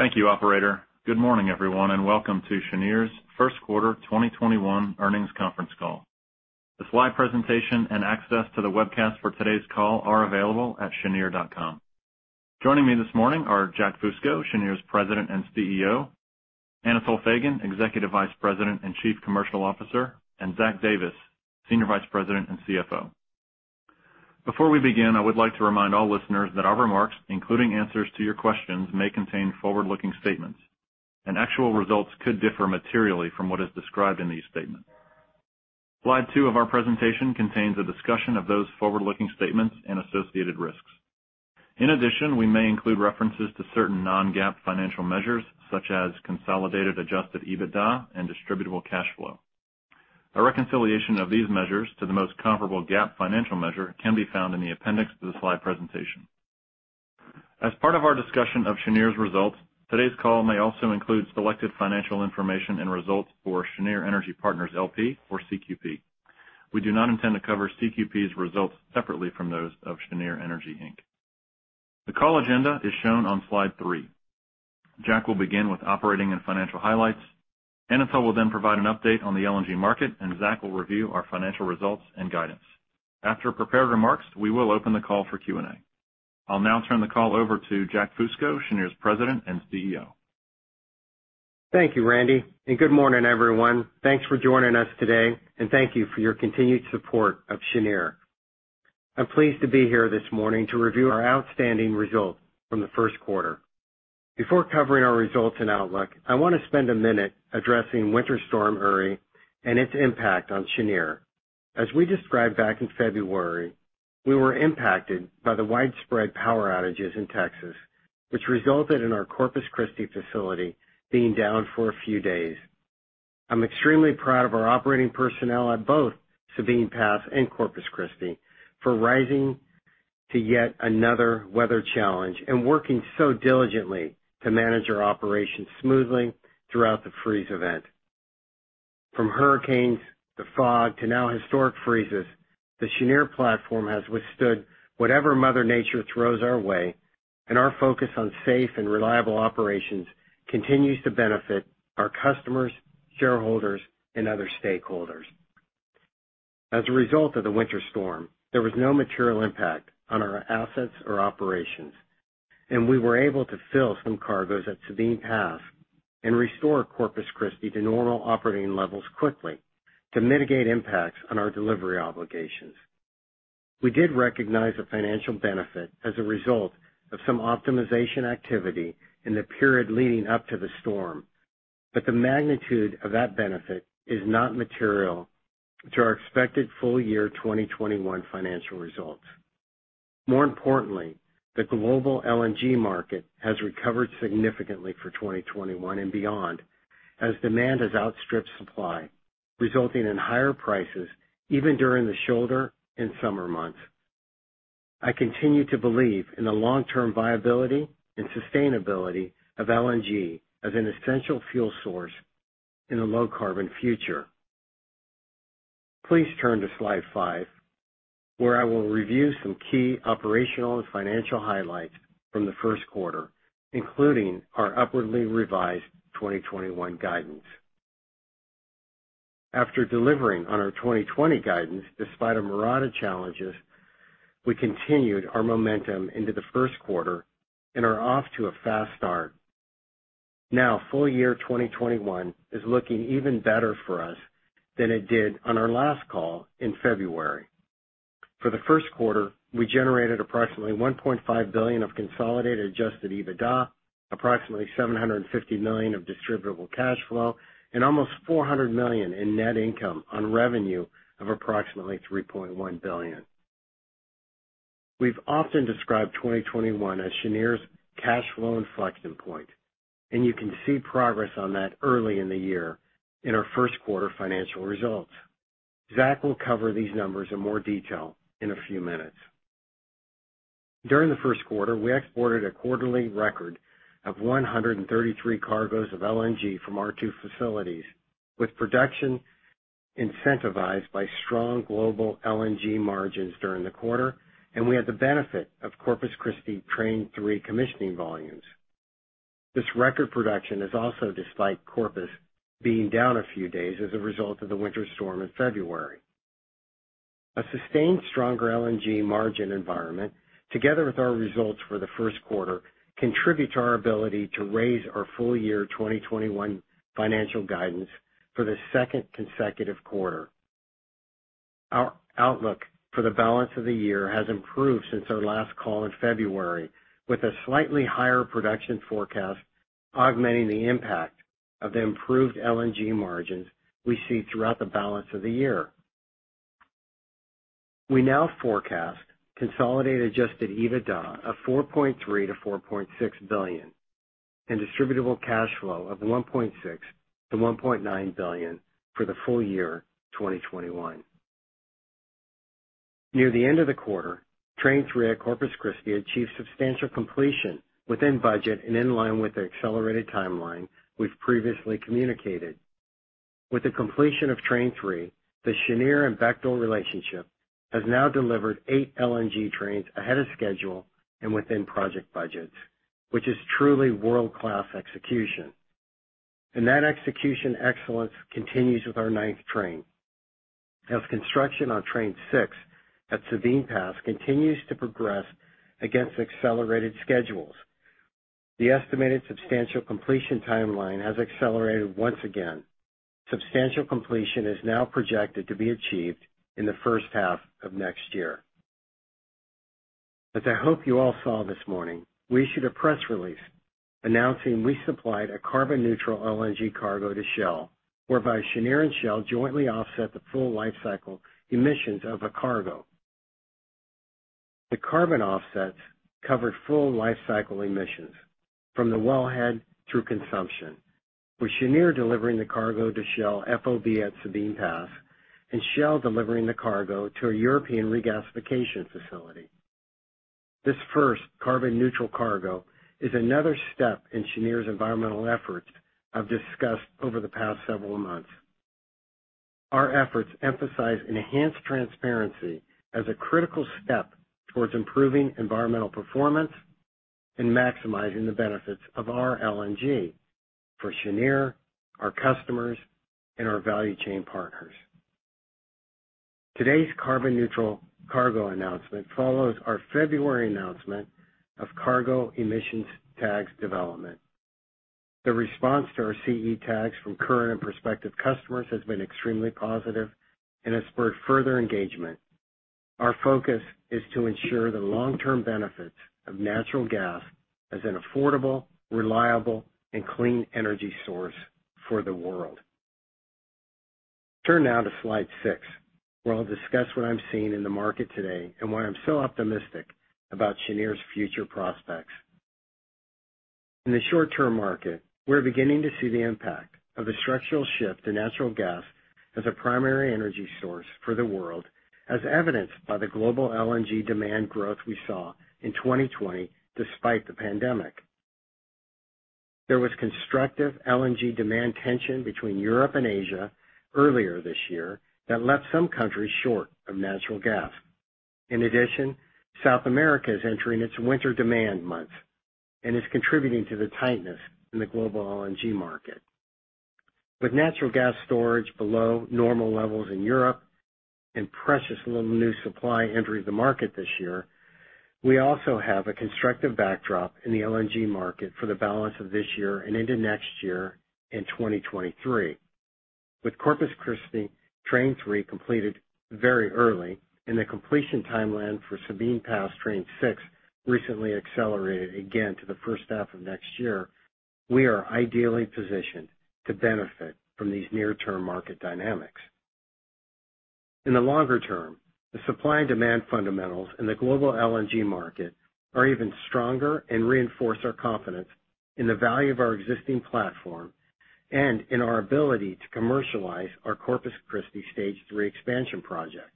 Thank you operator. Good morning, everyone, and welcome to Cheniere's first quarter 2021 earnings conference call. The slide presentation and access to the webcast for today's call are available at cheniere.com. Joining me this morning are Jack Fusco, Cheniere's President and Chief Executive Officer, Anatol Feygin, Executive Vice President and Chief Commercial Officer, and Zach Davis, Senior Vice President and Chief Financial Officer. Before we begin, I would like to remind all listeners that our remarks, including answers to your questions, may contain forward-looking statements, and actual results could differ materially from what is described in these statements. Slide two of our presentation contains a discussion of those forward-looking statements and associated risks. In addition, we may include references to certain non-GAAP financial measures such as consolidated adjusted EBITDA and distributable cash flow. A reconciliation of these measures to the most comparable GAAP financial measure can be found in the appendix to the slide presentation. As part of our discussion of Cheniere's results, today's call may also include selected financial information and results for Cheniere Energy Partners, L.P. or CQP. We do not intend to cover CQP's results separately from those of Cheniere Energy, Inc. The call agenda is shown on slide three. Jack will begin with operating and financial highlights. Anatol will then provide an update on the LNG market, and Zach will review our financial results and guidance. After prepared remarks, we will open the call for Q&A. I'll now turn the call over to Jack Fusco, Cheniere's President and CEO. Thank you, Randy. Good morning, everyone. Thanks for joining us today. Thank you for your continued support of Cheniere. I'm pleased to be here this morning to review our outstanding results from the first quarter. Before covering our results and outlook, I want to spend a minute addressing Winter Storm Uri and its impact on Cheniere. As we described back in February, we were impacted by the widespread power outages in Texas, which resulted in our Corpus Christi facility being down for a few days. I'm extremely proud of our operating personnel at both Sabine Pass and Corpus Christi for rising to yet another weather challenge and working so diligently to manage our operations smoothly throughout the freeze event. From hurricanes to fog to now historic freezes, the Cheniere platform has withstood whatever Mother Nature throws our way, and our focus on safe and reliable operations continues to benefit our customers, shareholders, and other stakeholders. As a result of the winter storm, there was no material impact on our assets or operations, and we were able to fill some cargoes at Sabine Pass and restore Corpus Christi to normal operating levels quickly to mitigate impacts on our delivery obligations. We did recognize a financial benefit as a result of some optimization activity in the period leading up to the storm, but the magnitude of that benefit is not material to our expected full-year 2021 financial results. More importantly, the global LNG market has recovered significantly for 2021 and beyond as demand has outstripped supply, resulting in higher prices even during the shoulder and summer months. I continue to believe in the long-term viability and sustainability of LNG as an essential fuel source in a low-carbon future. Please turn to slide five, where I will review some key operational and financial highlights from the first quarter, including our upwardly revised 2021 guidance. After delivering on our 2020 guidance despite a myriad of challenges, we continued our momentum into the first quarter and are off to a fast start. Now full-year 2021 is looking even better for us than it did on our last call in February. For the first quarter, we generated approximately $1.5 billion of consolidated adjusted EBITDA, approximately $750 million of distributable cash flow, and almost $400 million in net income on revenue of approximately $3.1 billion. We've often described 2021 as Cheniere's cash flow inflection point, and you can see progress on that early in the year in our first quarter financial results. Zach will cover these numbers in more detail in a few minutes. During the first quarter, we exported a quarterly record of 133 cargoes of LNG from our two facilities, with production incentivized by strong global LNG margins during the quarter, and we had the benefit of Corpus Christi Train 3 commissioning volumes. This record production is also despite Corpus being down a few days as a result of the winter storm in February. A sustained stronger LNG margin environment, together with our results for the first quarter, contribute to our ability to raise our full-year 2021 financial guidance for the second consecutive quarter. Our outlook for the balance of the year has improved since our last call in February, with a slightly higher production forecast augmenting the impact of the improved LNG margins we see throughout the balance of the year. We now forecast consolidated adjusted EBITDA of $4.3 billion-$4.6 billion and distributable cash flow of $1.6 billion-$1.9 billion for the full year 2021. Near the end of the quarter, Train 3 at Corpus Christi achieved substantial completion within budget and in line with the accelerated timeline we've previously communicated. With the completion of Train 3, the Cheniere and Bechtel relationship has now delivered eight LNG trains ahead of schedule and within project budgets, which is truly world-class execution. That execution excellence continues with our ninth train. As construction on Train 6 at Sabine Pass continues to progress against accelerated schedules, the estimated substantial completion timeline has accelerated once again. Substantial completion is now projected to be achieved in the first half of next year. As I hope you all saw this morning, we issued a press release announcing we supplied a carbon-neutral LNG cargo to Shell, whereby Cheniere and Shell jointly offset the full lifecycle emissions of a cargo. The carbon offsets covered full lifecycle emissions from the wellhead through consumption, with Cheniere delivering the cargo to Shell FOB at Sabine Pass and Shell delivering the cargo to a European regasification facility. This first carbon-neutral cargo is another step in Cheniere's environmental efforts I've discussed over the past several months. Our efforts emphasize enhanced transparency as a critical step towards improving environmental performance and maximizing the benefits of our LNG for Cheniere, our customers, and our value chain partners. Today's carbon-neutral cargo announcement follows our February announcement of cargo emissions tags development. The response to our CE Tags from current and prospective customers has been extremely positive and has spurred further engagement. Our focus is to ensure the long-term benefits of natural gas as an affordable, reliable, and clean energy source for the world. Turn now to slide six, where I'll discuss what I'm seeing in the market today and why I'm so optimistic about Cheniere's future prospects. In the short-term market, we're beginning to see the impact of a structural shift to natural gas as a primary energy source for the world, as evidenced by the global LNG demand growth we saw in 2020 despite the pandemic. There was constructive LNG demand tension between Europe and Asia earlier this year that left some countries short of natural gas. In addition, South America is entering its winter demand months and is contributing to the tightness in the global LNG market. With natural gas storage below normal levels in Europe and precious little new supply entering the market this year, we also have a constructive backdrop in the LNG market for the balance of this year and into next year in 2023. With Corpus Christi Train 3 completed very early and the completion timeline for Sabine Pass Train 6 recently accelerated again to the first half of next year, we are ideally positioned to benefit from these near-term market dynamics. In the longer term, the supply and demand fundamentals in the global LNG market are even stronger and reinforce our confidence in the value of our existing platform and in our ability to commercialize our Corpus Christi Stage 3 expansion project.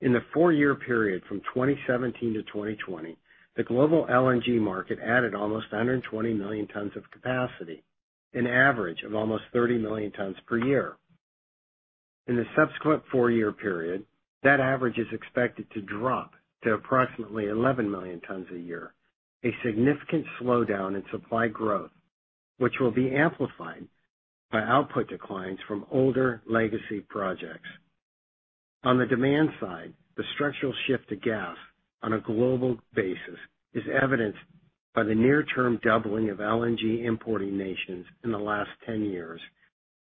In the four-year period from 2017-2020, the global LNG market added almost 120 million tons of capacity, an average of almost 30 million tons per year. In the subsequent four-year period, that average is expected to drop to approximately 11 million tons a year, a significant slowdown in supply growth, which will be amplified by output declines from older legacy projects. On the demand side, the structural shift to gas on a global basis is evidenced by the near-term doubling of LNG-importing nations in the last 10 years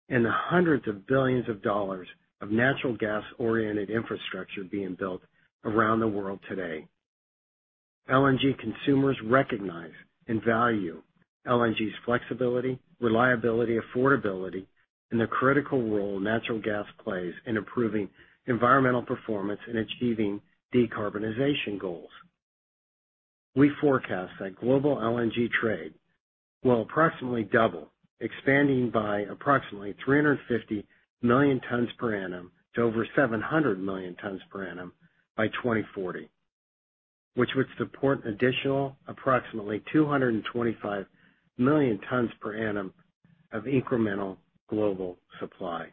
and the hundreds of billions of dollars of natural gas-oriented infrastructure being built around the world today. LNG consumers recognize and value LNG's flexibility, reliability, affordability, and the critical role natural gas plays in improving environmental performance and achieving decarbonization goals. We forecast that global LNG trade will approximately double, expanding by approximately 350 million tons per annum to over 700 million tons per annum by 2040, which would support an additional approximately 225 million tons per annum of incremental global supply.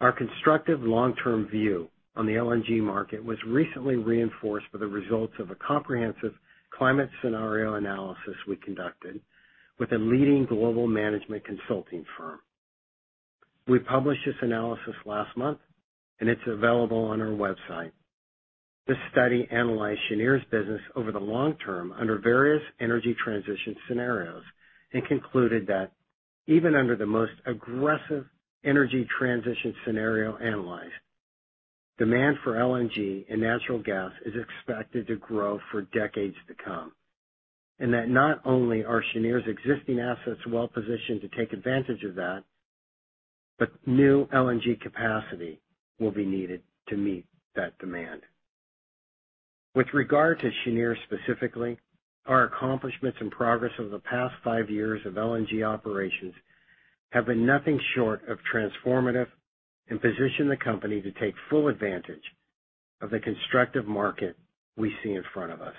Our constructive long-term view on the LNG market was recently reinforced by the results of a comprehensive climate scenario analysis we conducted with a leading global management consulting firm. We published this analysis last month, and it's available on our website. This study analyzed Cheniere's business over the long term under various energy transition scenarios and concluded that even under the most aggressive energy transition scenario analyzed, demand for LNG and natural gas is expected to grow for decades to come, and that not only are Cheniere's existing assets well-positioned to take advantage of that, but new LNG capacity will be needed to meet that demand. With regard to Cheniere specifically, our accomplishments and progress over the past five years of LNG operations have been nothing short of transformative and position the company to take full advantage of the constructive market we see in front of us.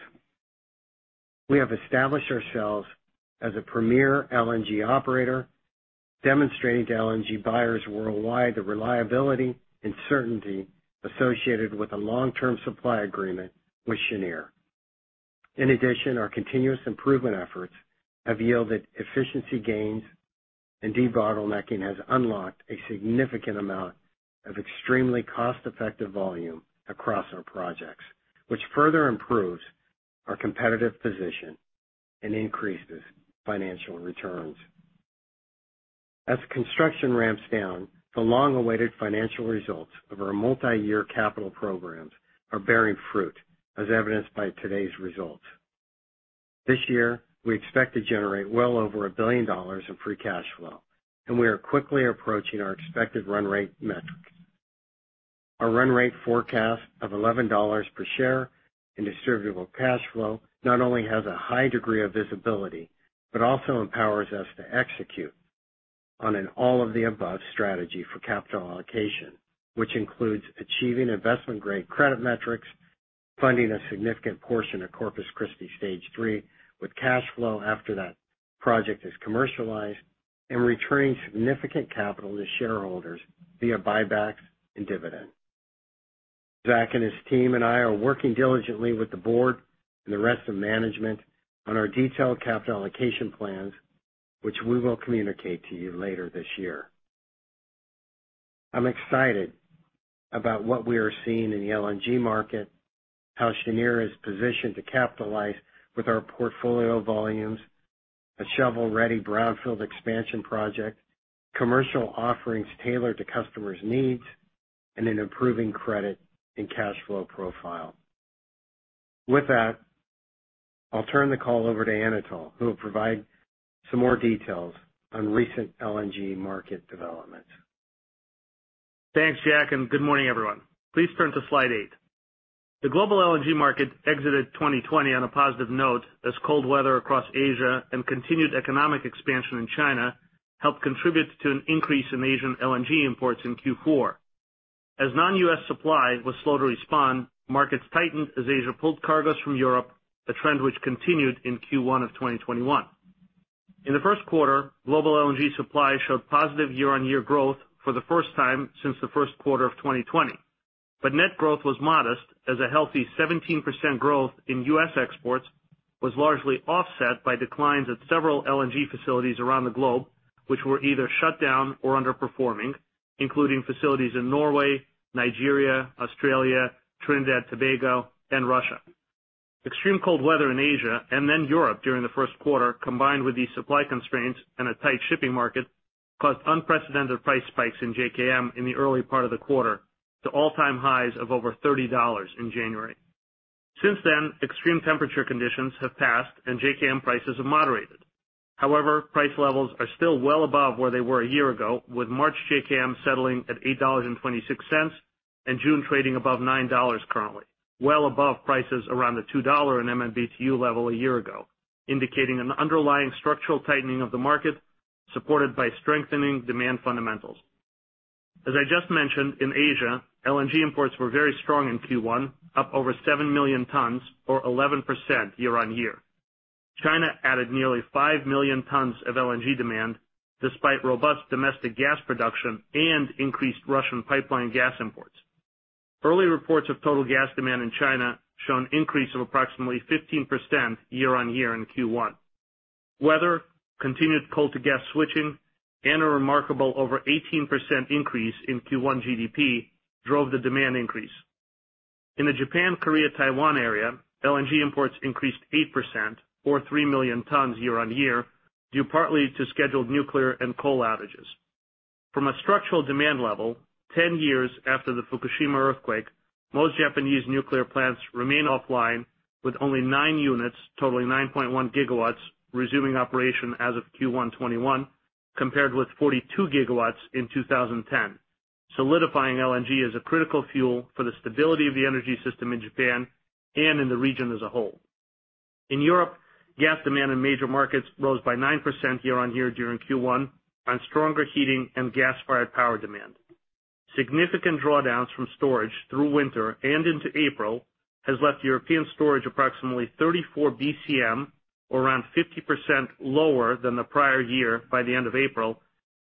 We have established ourselves as a premier LNG operator, demonstrating to LNG buyers worldwide the reliability and certainty associated with a long-term supply agreement with Cheniere. In addition, our continuous improvement efforts have yielded efficiency gains, and debottlenecking has unlocked a significant amount of extremely cost-effective volume across our projects, which further improves our competitive position and increases financial returns. As construction ramps down, the long-awaited financial results of our multi-year capital programs are bearing fruit, as evidenced by today's results. This year, we expect to generate well over $1 billion in free cash flow, and we are quickly approaching our expected run rate metric. Our run rate forecast of $11 per share in distributable cash flow not only has a high degree of visibility, but also empowers us to execute on an all-of-the-above strategy for capital allocation, which includes achieving investment-grade credit metrics, funding a significant portion of Corpus Christi Stage 3 with cash flow after that project is commercialized, and returning significant capital to shareholders via buybacks and dividends. Zach and his team and I are working diligently with the Board and the rest of management on our detailed capital allocation plans, which we will communicate to you later this year. I'm excited about what we are seeing in the LNG market, how Cheniere is positioned to capitalize with our portfolio volumes, a shovel-ready brownfield expansion project, commercial offerings tailored to customers' needs, and an improving credit and cash flow profile. With that, I'll turn the call over to Anatol, who will provide some more details on recent LNG market developments. Thanks, Jack, and good morning, everyone. Please turn to slide eight. The global LNG market exited 2020 on a positive note as cold weather across Asia and continued economic expansion in China helped contribute to an increase in Asian LNG imports in Q4. As non-U.S. supply was slow to respond, markets tightened as Asia pulled cargoes from Europe, a trend which continued in Q1 of 2021. In the first quarter, global LNG supply showed positive year-on-year growth for the first time since the first quarter of 2020. Net growth was modest, as a healthy 17% growth in U.S. exports was largely offset by declines at several LNG facilities around the globe, which were either shut down or underperforming, including facilities in Norway, Nigeria, Australia, Trinidad Tobago, and Russia. Extreme cold weather in Asia and then Europe during the first quarter, combined with these supply constraints and a tight shipping market, caused unprecedented price spikes in JKM in the early part of the quarter to all-time highs of over $30 in January. Since then, extreme temperature conditions have passed, and JKM prices have moderated. However, price levels are still well above where they were a year ago, with March JKM settling at $8.26 and June trading above $9 currently, well above prices around the $2 an MMBtu level a year ago, indicating an underlying structural tightening of the market, supported by strengthening demand fundamentals. As I just mentioned, in Asia, LNG imports were very strong in Q1, up over 7 million tons or 11% year-on-year. China added nearly 5 million tons of LNG demand despite robust domestic gas production and increased Russian pipeline gas imports. Early reports of total gas demand in China show an increase of approximately 15% year-on-year in Q1. Weather, continued coal to gas switching, and a remarkable over 18% increase in Q1 GDP drove the demand increase. In the Japan, Korea, Taiwan area, LNG imports increased 8% or three million tons year-on-year, due partly to scheduled nuclear and coal outages. From a structural demand level, 10 years after the Fukushima earthquake, most Japanese nuclear plants remain offline with only nine units totaling 9.1 GW resuming operation as of Q1 2021, compared with 42 GW in 2010, solidifying LNG as a critical fuel for the stability of the energy system in Japan and in the region as a whole. In Europe, gas demand in major markets rose by 9% year-on-year during Q1 on stronger heating and gas-fired power demand. Significant drawdowns from storage through winter and into April has left European storage approximately 34 BCM, or around 50% lower than the prior year by the end of April,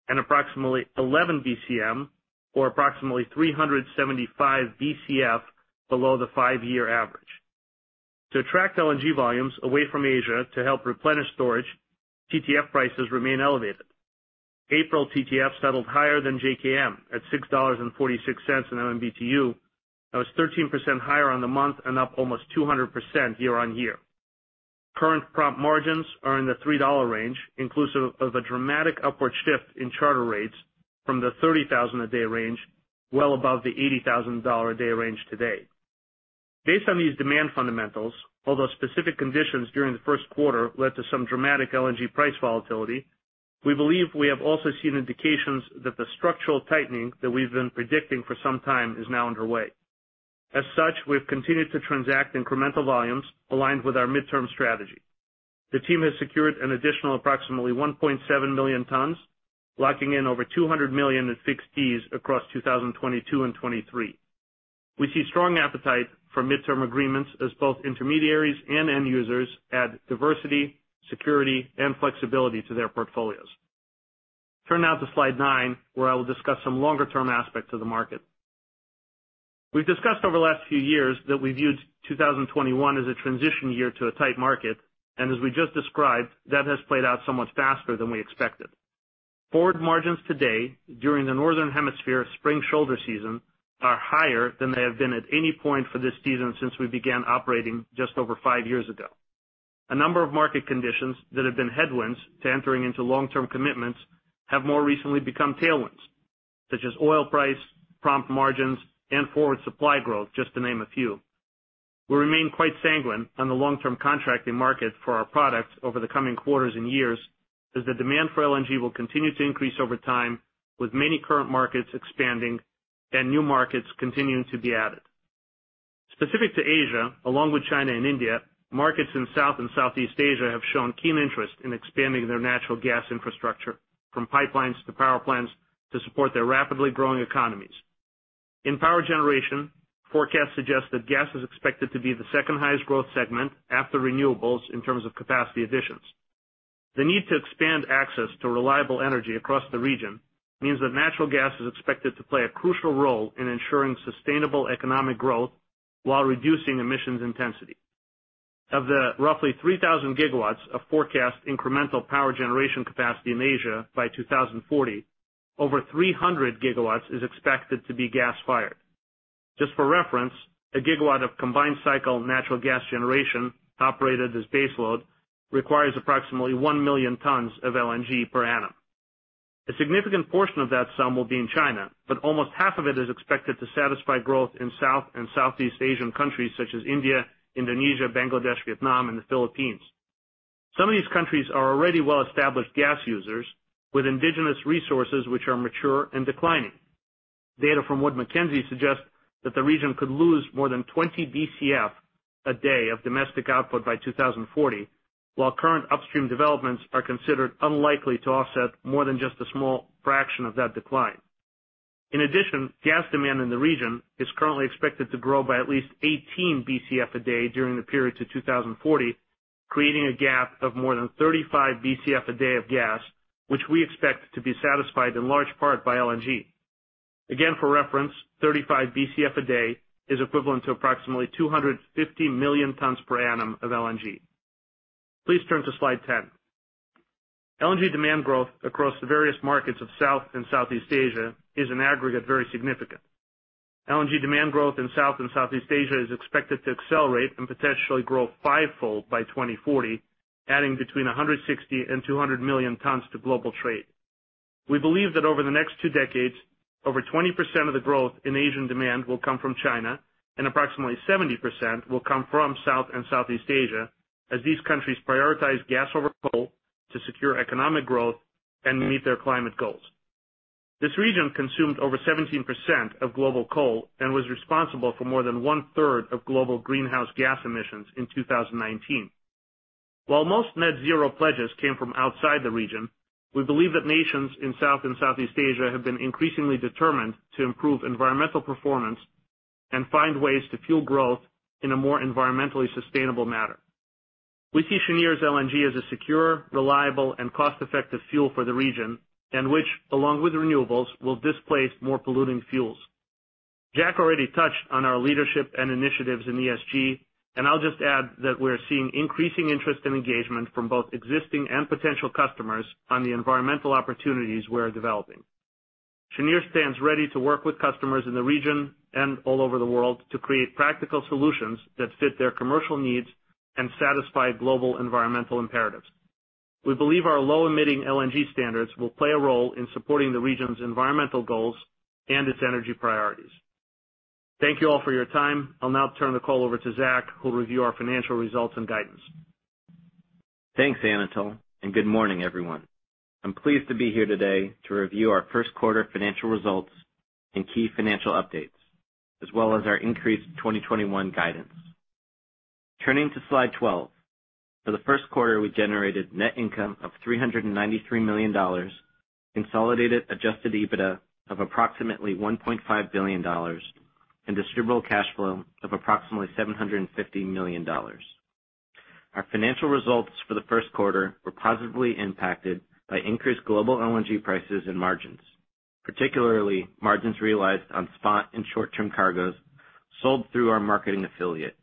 and approximately 11 BCM, or approximately 375 BCF below the five-year average. To attract LNG volumes away from Asia to help replenish storage, TTF prices remain elevated. April TTF settled higher than JKM at $6.46 an MMBtu. That was 13% higher on the month and up almost 200% year-on-year. Current prompt margins are in the $3 range, inclusive of a dramatic upward shift in charter rates from the $30,000 a day range, well above the $80,000 a day range today. Based on these demand fundamentals, although specific conditions during the first quarter led to some dramatic LNG price volatility, we believe we have also seen indications that the structural tightening that we've been predicting for some time is now underway. As such, we've continued to transact incremental volumes aligned with our midterm strategy. The team has secured an additional approximately 1.7 million tons, locking in over $200 million in fixed fees across 2022 and 2023. We see strong appetite for midterm agreements as both intermediaries and end users add diversity, security, and flexibility to their portfolios. Turn now to slide nine, where I will discuss some longer-term aspects of the market. We've discussed over the last few years that we viewed 2021 as a transition year to a tight market. As we just described, that has played out so much faster than we expected. Forward margins today, during the Northern Hemisphere spring shoulder season, are higher than they have been at any point for this season since we began operating just over five years ago. A number of market conditions that have been headwinds to entering into long-term commitments have more recently become tailwinds, such as oil price, prompt margins, and forward supply growth, just to name a few. We remain quite sanguine on the long-term contracting market for our products over the coming quarters and years, as the demand for LNG will continue to increase over time, with many current markets expanding and new markets continuing to be added. Specific to Asia, along with China and India, markets in South and Southeast Asia have shown keen interest in expanding their natural gas infrastructure, from pipelines to power plants, to support their rapidly growing economies. In power generation, forecasts suggest that gas is expected to be the second highest growth segment after renewables in terms of capacity additions. The need to expand access to reliable energy across the region means that natural gas is expected to play a crucial role in ensuring sustainable economic growth while reducing emissions intensity. Of the roughly 3,000 GW of forecast incremental power generation capacity in Asia by 2040, over 300 GW expected to be gas-fired. Just for reference, a gigawatt of combined cycle natural gas generation operated as base load requires approximately 1 million tons of LNG per annum. A significant portion of that sum will be in China, but almost half of it is expected to satisfy growth in South and Southeast Asian countries such as India, Indonesia, Bangladesh, Vietnam, and the Philippines. Some of these countries are already well-established gas users with indigenous resources which are mature and declining. Data from Wood Mackenzie suggests that the region could lose more than 20 BCF a day of domestic output by 2040, while current upstream developments are considered unlikely to offset more than just a small fraction of that decline. In addition, gas demand in the region is currently expected to grow by at least 18 BCF a day during the period to 2040, creating a gap of more than 35 BCF a day of gas, which we expect to be satisfied in large part by LNG. Again, for reference, 35 BCF a day is equivalent to approximately 250 million tons per annum of LNG. Please turn to slide 10. LNG demand growth across the various markets of South and Southeast Asia is, in aggregate, very significant. LNG demand growth in South and Southeast Asia is expected to accelerate and potentially grow fivefold by 2040, adding between 160 and 200 million tons to global trade. We believe that over the next two decades, over 20% of the growth in Asian demand will come from China, and approximately 70% will come from South and Southeast Asia, as these countries prioritize gas over coal to secure economic growth and meet their climate goals. This region consumed over 17% of global coal and was responsible for more than 1/3 of global greenhouse gas emissions in 2019. While most net zero pledges came from outside the region, we believe that nations in South and Southeast Asia have been increasingly determined to improve environmental performance and find ways to fuel growth in a more environmentally sustainable manner. We see Cheniere's LNG as a secure, reliable, and cost-effective fuel for the region, and which, along with renewables, will displace more polluting fuels. Jack already touched on our leadership and initiatives in ESG, and I'll just add that we're seeing increasing interest and engagement from both existing and potential customers on the environmental opportunities we're developing. Cheniere stands ready to work with customers in the region and all over the world to create practical solutions that fit their commercial needs and satisfy global environmental imperatives. We believe our low-emitting LNG standards will play a role in supporting the region's environmental goals and its energy priorities. Thank you all for your time. I'll now turn the call over to Zach, who will review our financial results and guidance. Thanks, Anatol, and good morning, everyone. I'm pleased to be here today to review our first quarter financial results and key financial updates, as well as our increased 2021 guidance. Turning to slide 12. For the first quarter, we generated net income of $393 million, consolidated adjusted EBITDA of approximately $1.5 billion, and distributable cash flow of approximately $750 million. Our financial results for the first quarter were positively impacted by increased global LNG prices and margins. Particularly, margins realized on spot and short-term cargoes sold through our marketing affiliate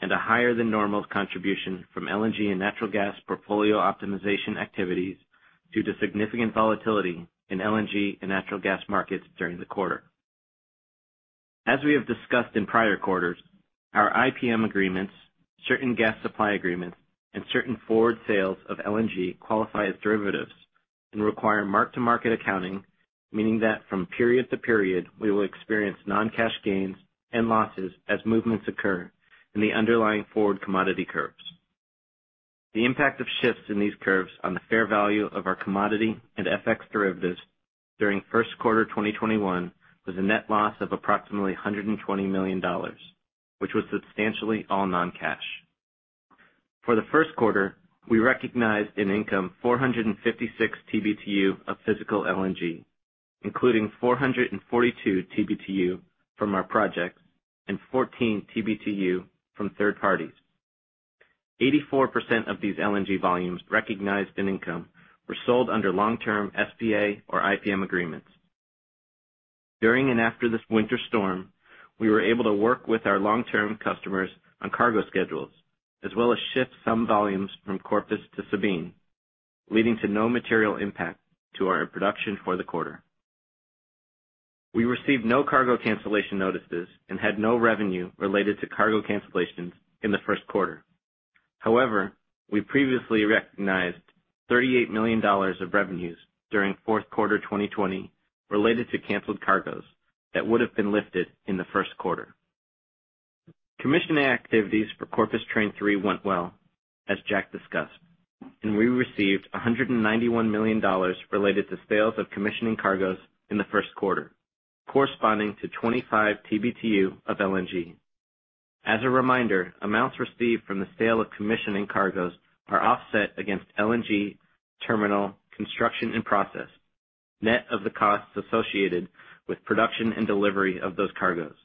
and a higher than normal contribution from LNG and natural gas portfolio optimization activities due to significant volatility in LNG and natural gas markets during the quarter. As we have discussed in prior quarters, our IPM agreements, certain gas supply agreements, and certain forward sales of LNG qualify as derivatives and require mark-to-market accounting, meaning that from period to period, we will experience non-cash gains and losses as movements occur in the underlying forward commodity curves. The impact of shifts in these curves on the fair value of our commodity and FX derivatives during first quarter 2021 was a net loss of approximately $120 million, which was substantially all non-cash. For the first quarter, we recognized in income 456 TBtu of physical LNG, including 442 TBtu from our projects and 14 TBtu from third parties. 84% of these LNG volumes recognized in income were sold under long-term SPA or IPM agreements. During and after this winter storm, we were able to work with our long-term customers on cargo schedules, as well as shift some volumes from Corpus to Sabine, leading to no material impact to our production for the quarter. We received no cargo cancellation notices and had no revenue related to cargo cancellations in the first quarter. However, we previously recognized $38 million of revenues during fourth quarter 2020 related to canceled cargoes that would have been lifted in the first quarter. Commissioning activities for Corpus Train 3 went well, as Jack discussed, and we received $191 million related to sales of commissioning cargoes in the first quarter, corresponding to 25 TBtu of LNG. As a reminder, amounts received from the sale of commissioning cargoes are offset against LNG terminal construction in process, net of the costs associated with production and delivery of those cargoes.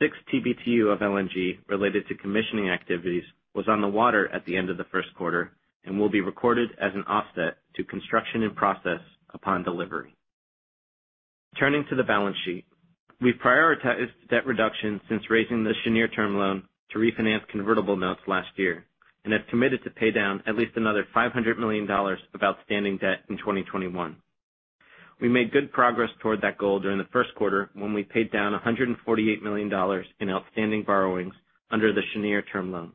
Six TBtu of LNG related to commissioning activities was on the water at the end of the first quarter and will be recorded as an offset to construction in process upon delivery. Turning to the balance sheet. We've prioritized debt reduction since raising the Cheniere term loan to refinance convertible notes last year and have committed to pay down at least another $500 million of outstanding debt in 2021. We made good progress toward that goal during the first quarter when we paid down $148 million in outstanding borrowings under the Cheniere term loan.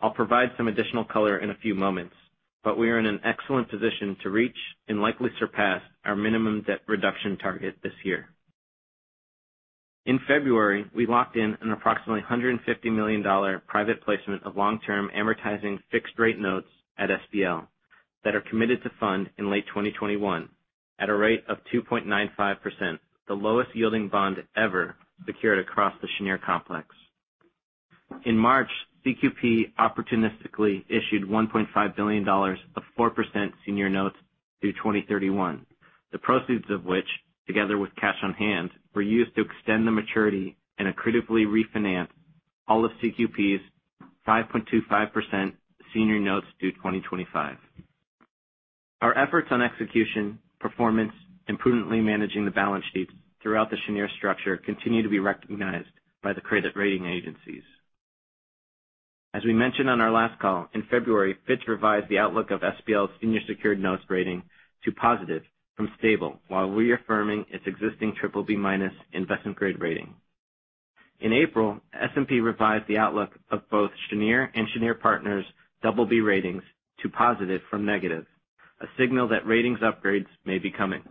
I'll provide some additional color in a few moments, but we are in an excellent position to reach and likely surpass our minimum debt reduction target this year. In February, we locked in an approximately $150 million private placement of long-term amortizing fixed-rate notes at SPL that are committed to fund in late 2021 at a rate of 2.95%, the lowest-yielding bond ever secured across the Cheniere complex. In March, CQP opportunistically issued $1.5 billion of 4% senior notes due 2031, the proceeds of which, together with cash on hand, were used to extend the maturity and critically refinance all of CQP's 5.25% senior notes due 2025. Our efforts on execution, performance, and prudently managing the balance sheets throughout the Cheniere structure continue to be recognized by the credit rating agencies. As we mentioned on our last call, in February, Fitch revised the outlook of SPL's senior secured notes rating to positive from stable, while reaffirming its existing BBB- investment-grade rating. In April, S&P revised the outlook of both Cheniere and Cheniere Partners BB ratings to positive from negative, a signal that ratings upgrades may be coming.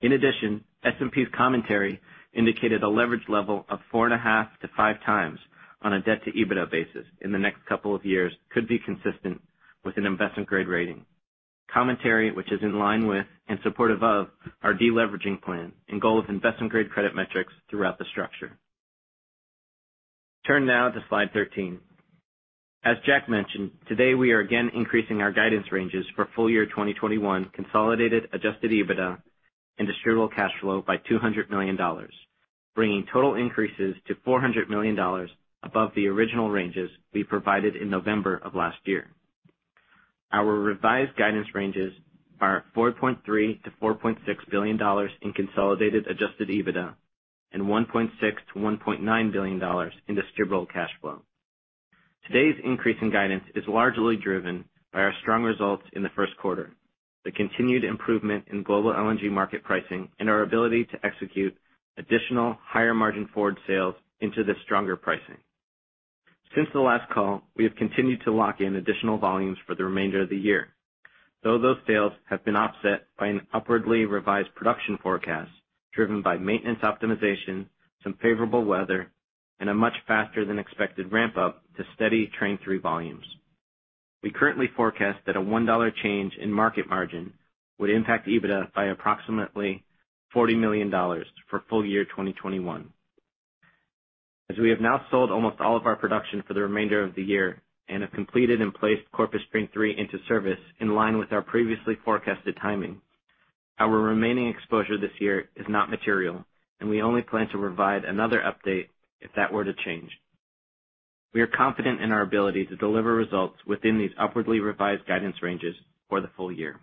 In addition, S&P's commentary indicated a leverage level of 4.5x-5x on a debt-to-EBITDA basis in the next couple of years could be consistent with an investment-grade rating. Commentary, which is in line with and supportive of our de-leveraging plan and goal of investment-grade credit metrics throughout the structure. Turn now to slide 13. As Jack mentioned, today we are again increasing our guidance ranges for full-year 2021 consolidated adjusted EBITDA and distributable cash flow by $200 million, bringing total increases to $400 million above the original ranges we provided in November of last year. Our revised guidance ranges are $4.3 billion-$4.6 billion in consolidated adjusted EBITDA and $1.6 billion-$1.9 billion in distributable cash flow. Today's increase in guidance is largely driven by our strong results in the first quarter, the continued improvement in global LNG market pricing, and our ability to execute additional higher-margin forward sales into this stronger pricing. Since the last call, we have continued to lock in additional volumes for the remainder of the year. Though those sales have been offset by an upwardly revised production forecast driven by maintenance optimization, some favorable weather, and a much faster than expected ramp-up to steady Train 3 volumes. We currently forecast that a $1 change in market margin would impact EBITDA by approximately $40 million for full-year 2021. As we have now sold almost all of our production for the remainder of the year and have completed and placed Corpus Train 3 into service in line with our previously forecasted timing, our remaining exposure this year is not material, and we only plan to provide another update if that were to change. We are confident in our ability to deliver results within these upwardly revised guidance ranges for the full year.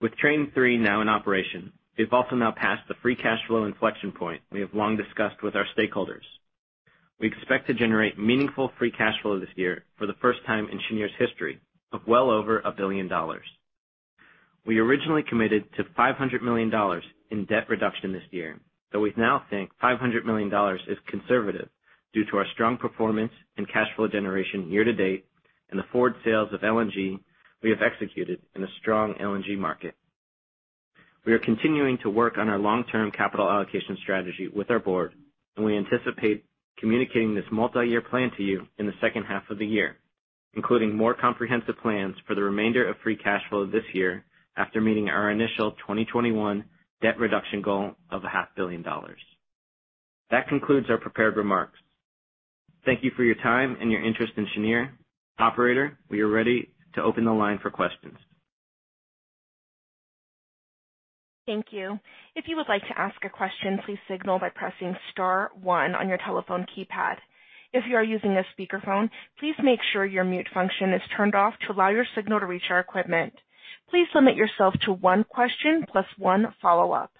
With Train 3 now in operation, we have also now passed the free cash flow inflection point we have long discussed with our stakeholders. We expect to generate meaningful free cash flow this year for the first time in Cheniere's history of well over $1 billion. We originally committed to $500 million in debt reduction this year, though we now think $500 million is conservative due to our strong performance and cash flow generation year-to-date and the forward sales of LNG we have executed in a strong LNG market. We are continuing to work on our long-term capital allocation strategy with our Board, and we anticipate communicating this multi-year plan to you in the second half of the year. Including more comprehensive plans for the remainder of free cash flow this year after meeting our initial 2021 debt reduction goal of a $500,000,000. That concludes our prepared remarks. Thank you for your time and your interest in Cheniere. Operator, we are ready to open the line for questions. Thank you. If you would like to ask a question, please signal by pressing star one on your telephone keypad. If you are using a speakerphone, please make sure your mute function is turned off to allow your signal to reach our equipment. Please limit yourself to one question plus one follow-up.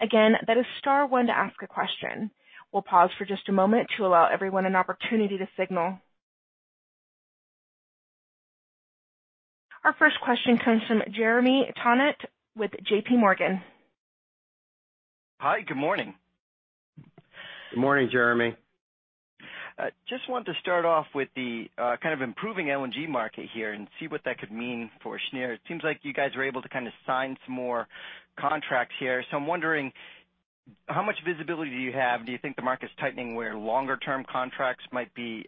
Again, that is star one to ask a question. We'll pause for just a moment to allow everyone an opportunity to signal. Our first question comes from Jeremy Tonet with JPMorgan. Hi, good morning. Good morning, Jeremy. Just wanted to start off with the kind of improving LNG market here and see what that could mean for Cheniere. It seems like you guys were able to sign some more contracts here. I'm wondering how much visibility do you have? Do you think the market's tightening where longer-term contracts might be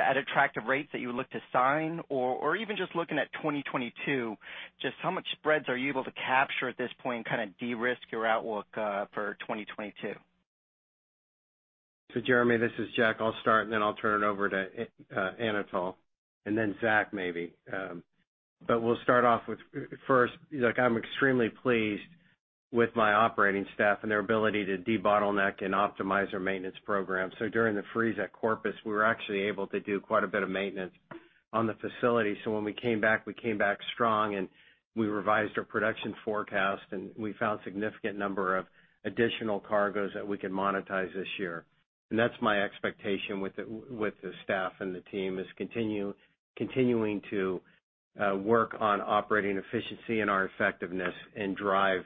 at attractive rates that you would look to sign or even just looking at 2022, just how much spreads are you able to capture at this point and kind of de-risk your outlook for 2022? Jeremy, this is Jack. I'll start and then I'll turn it over to Anatol, and then Zach maybe. We'll start off with first, I'm extremely pleased with my operating staff and their ability to de-bottleneck and optimize our maintenance program. During the freeze at Corpus, we were actually able to do quite a bit of maintenance on the facility. When we came back, we came back strong, and we revised our production forecast, and we found significant number of additional cargoes that we can monetize this year and that's my expectation with the staff and the team, is continuing to work on operating efficiency and our effectiveness and drive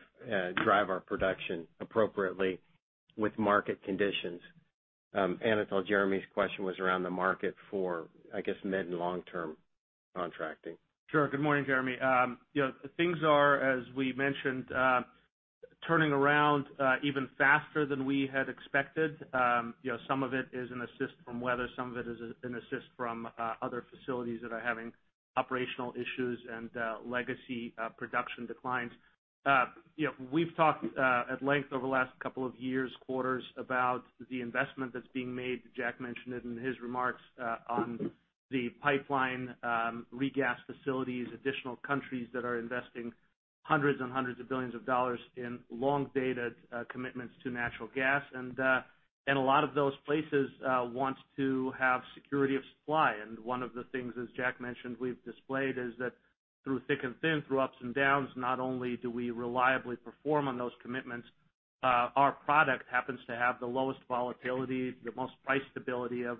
our production appropriately with market conditions. Anatol, Jeremy's question was around the market for, I guess, mid- and long-term contracting. Sure. Good morning, Jeremy. Things are, as we mentioned, turning around even faster than we had expected. Some of it is an assist from weather, some of it is an assist from other facilities that are having operational issues and legacy production declines. We've talked at length over the last couple of years, quarters about the investment that's being made. Jack mentioned it in his remarks on the pipeline regas facilities, additional countries that are investing hundreds and hundreds of billions of dollars in long-dated commitments to natural gas and a lot of those places want to have security of supply. One of the things, as Jack mentioned, we've displayed is that through thick and thin, through ups and downs, not only do we reliably perform on those commitments, our product happens to have the lowest volatility, the most price stability of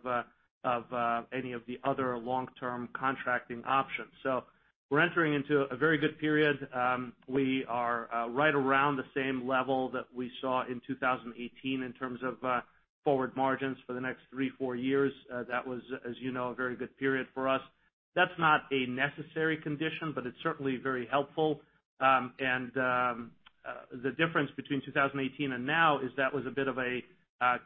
any of the other long-term contracting options. We're entering into a very good period. We are right around the same level that we saw in 2018 in terms of forward margins for the next three, four years. That was, as you know, a very good period for us. That's not a necessary condition, but it's certainly very helpful. The difference between 2018 and now is that was a bit of a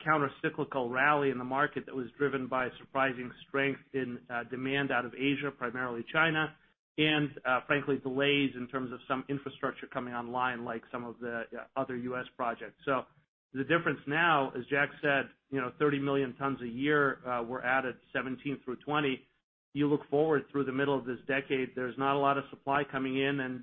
counter-cyclical rally in the market that was driven by surprising strength in demand out of Asia, primarily China, and frankly, delays in terms of some infrastructure coming online, like some of the other U.S. projects. The difference now, as Jack said, 30 million tons a year were added 2017 through 2020. You look forward through the middle of this decade, there's not a lot of supply coming in,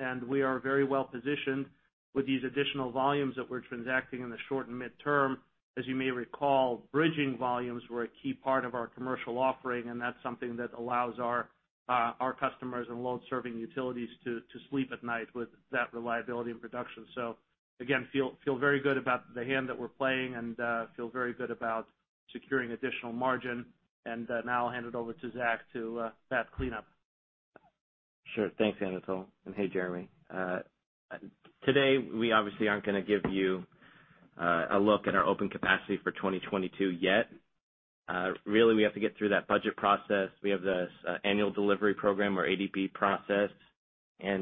and we are very well-positioned with these additional volumes that we're transacting in the short and midterm. As you may recall, bridging volumes were a key part of our commercial offering, and that's something that allows our customers and load-serving utilities to sleep at night with that reliability and production. Again, feel very good about the hand that we're playing and feel very good about securing additional margin. Now I'll hand it over to Zach to wrap cleanup. Sure. Thanks, Anatol. Hey, Jeremy. Today, we obviously aren't gonna give you a look at our open capacity for 2022 yet. Really, we have to get through that budget process. We have this Annual Delivery Program or ADP process.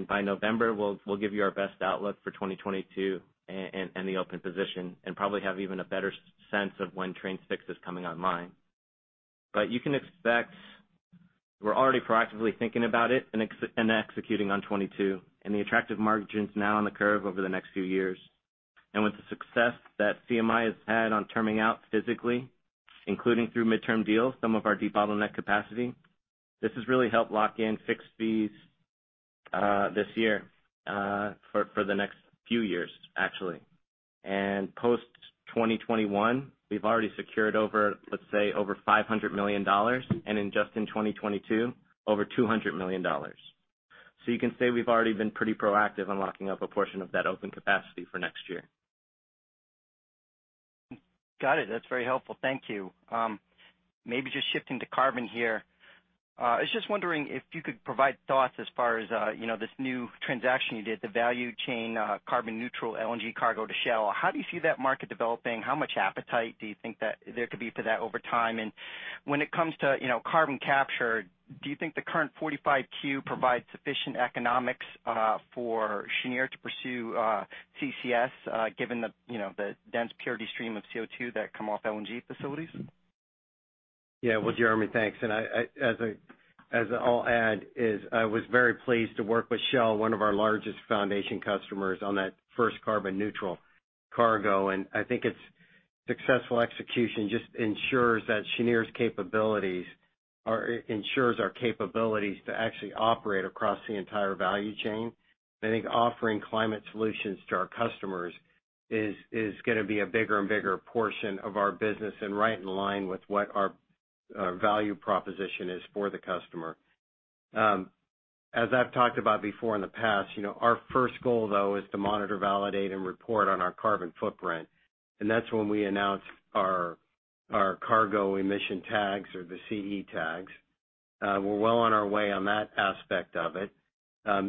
By November, we'll give you our best outlook for 2022 and the open position, and probably have even a better sense of when Train 6 is coming online. You can expect we're already proactively thinking about it and executing on 2022 and the attractive margins now on the curve over the next few years. With the success that CMI has had on terming out physically, including through midterm deals, some of our de-bottleneck capacity, this has really helped lock in fixed fees this year for the next few years, actually. Post-2021, we've already secured over, let's say, over $500 million, and in just in 2022, over $200 million. You can say we've already been pretty proactive on locking up a portion of that open capacity for next year. Got it. That's very helpful. Thank you. Maybe just shifting to carbon here. I was just wondering if you could provide thoughts as far as this new transaction you did, the value chain carbon neutral LNG cargo to Shell. How do you see that market developing? How much appetite do you think that there could be for that over time? When it comes to carbon capture, do you think the current 45Q provides sufficient economics for Cheniere to pursue CCS, given the dense purity stream of CO2 that come off LNG facilities? Yeah. Well, Jeremy, thanks. As I'll add is I was very pleased to work with Shell, one of our largest foundation customers, on that first carbon neutral cargo. I think its successful execution just ensures our capabilities to actually operate across the entire value chain. I think offering climate solutions to our customers is going to be a bigger and bigger portion of our business and right in line with what our value proposition is for the customer. As I've talked about before in the past, our first goal, though, is to monitor, validate, and report on our carbon footprint and that's when we announced our cargo emission tags or the CE Tags. We're well on our way on that aspect of it.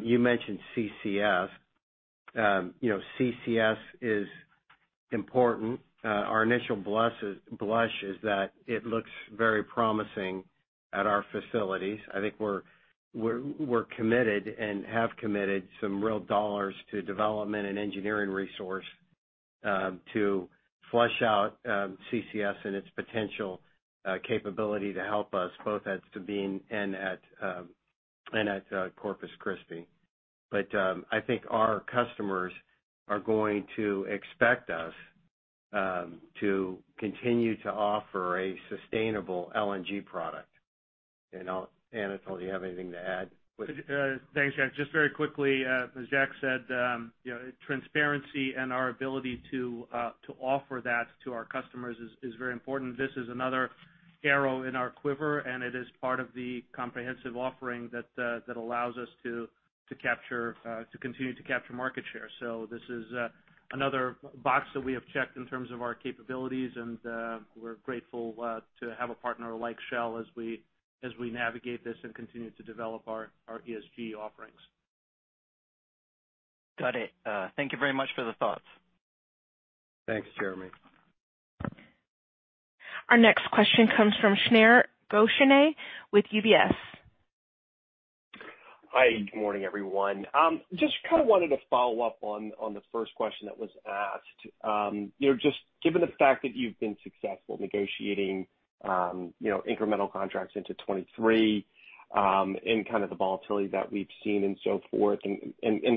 You mentioned CCS. CCS is important. Our initial blush is that it looks very promising at our facilities. I think we're committed and have committed some real dollars to development and engineering resource to flesh out CCS and its potential capability to help us both at Sabine and at Corpus Christi. I think our customers are going to expect us to continue to offer a sustainable LNG product. Anatol, do you have anything to add? Thanks, Jack. Just very quickly, as Jack said, transparency and our ability to offer that to our customers is very important. This is another arrow in our quiver, and it is part of the comprehensive offering that allows us to continue to capture market share. This is another box that we have checked in terms of our capabilities, and we're grateful to have a partner like Shell as we navigate this and continue to develop our ESG offerings. Got it. Thank you very much for the thoughts. Thanks, Jeremy. Our next question comes from Shneur Gershuni with UBS. Hi. Good morning, everyone. Just kind of wanted to follow up on the first question that was asked. Given the fact that you've been successful negotiating incremental contracts into 2023, and kind of the volatility that we've seen and so forth, and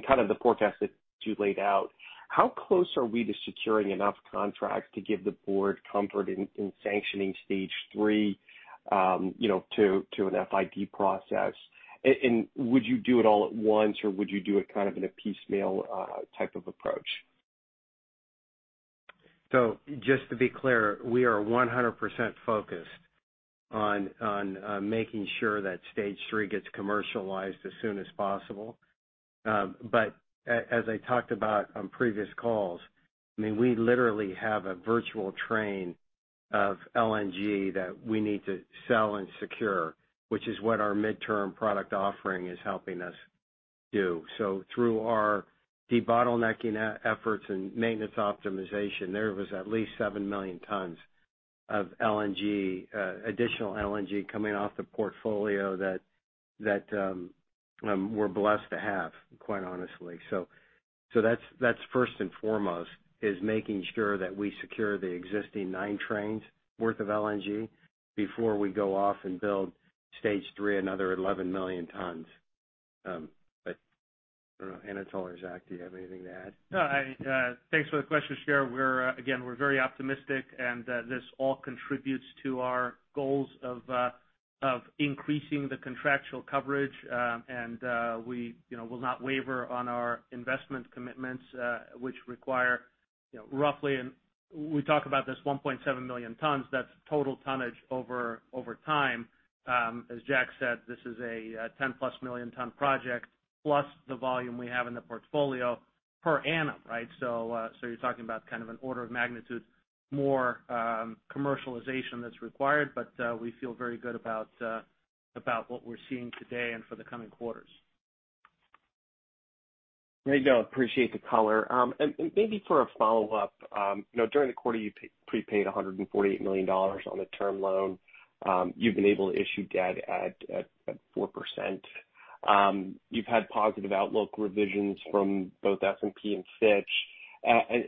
kind of the forecast that you laid out, how close are we to securing enough contracts to give the Board comfort in sanctioning Corpus Christi Stage 3 to an FID process? Would you do it all at once, or would you do it kind of in a piecemeal type of approach? Just to be clear, we are 100% focused on making sure that Stage 3 gets commercialized as soon as possible. As I talked about on previous calls, we literally have a virtual train of LNG that we need to sell and secure, which is what our midterm product offering is helping us do. Through our debottlenecking efforts and maintenance optimization, there was at least 7 million tons of additional LNG coming off the portfolio that we're blessed to have, quite honestly. That's first and foremost is making sure that we secure the existing nine trains worth of LNG before we go off and build Stage 3, another 11 million tons. I don't know, Anatol or Zach, do you have anything to add? No. Thanks for the question, Shneur. We're very optimistic, and this all contributes to our goals of increasing the contractual coverage. We will not waver on our investment commitments, which require roughly- we talk about this 1.7 million tons. That's total tonnage over time. As Jack said, this is a 10+ million ton project plus the volume we have in the portfolio per annum, right? You're talking about kind of an order of magnitude more commercialization that's required, but we feel very good about what we're seeing today and for the coming quarters. There you go. Appreciate the color. Maybe for a follow-up. During the quarter, you prepaid $148 million on the term loan. You've been able to issue debt at 4%. You've had positive outlook revisions from both S&P and Fitch.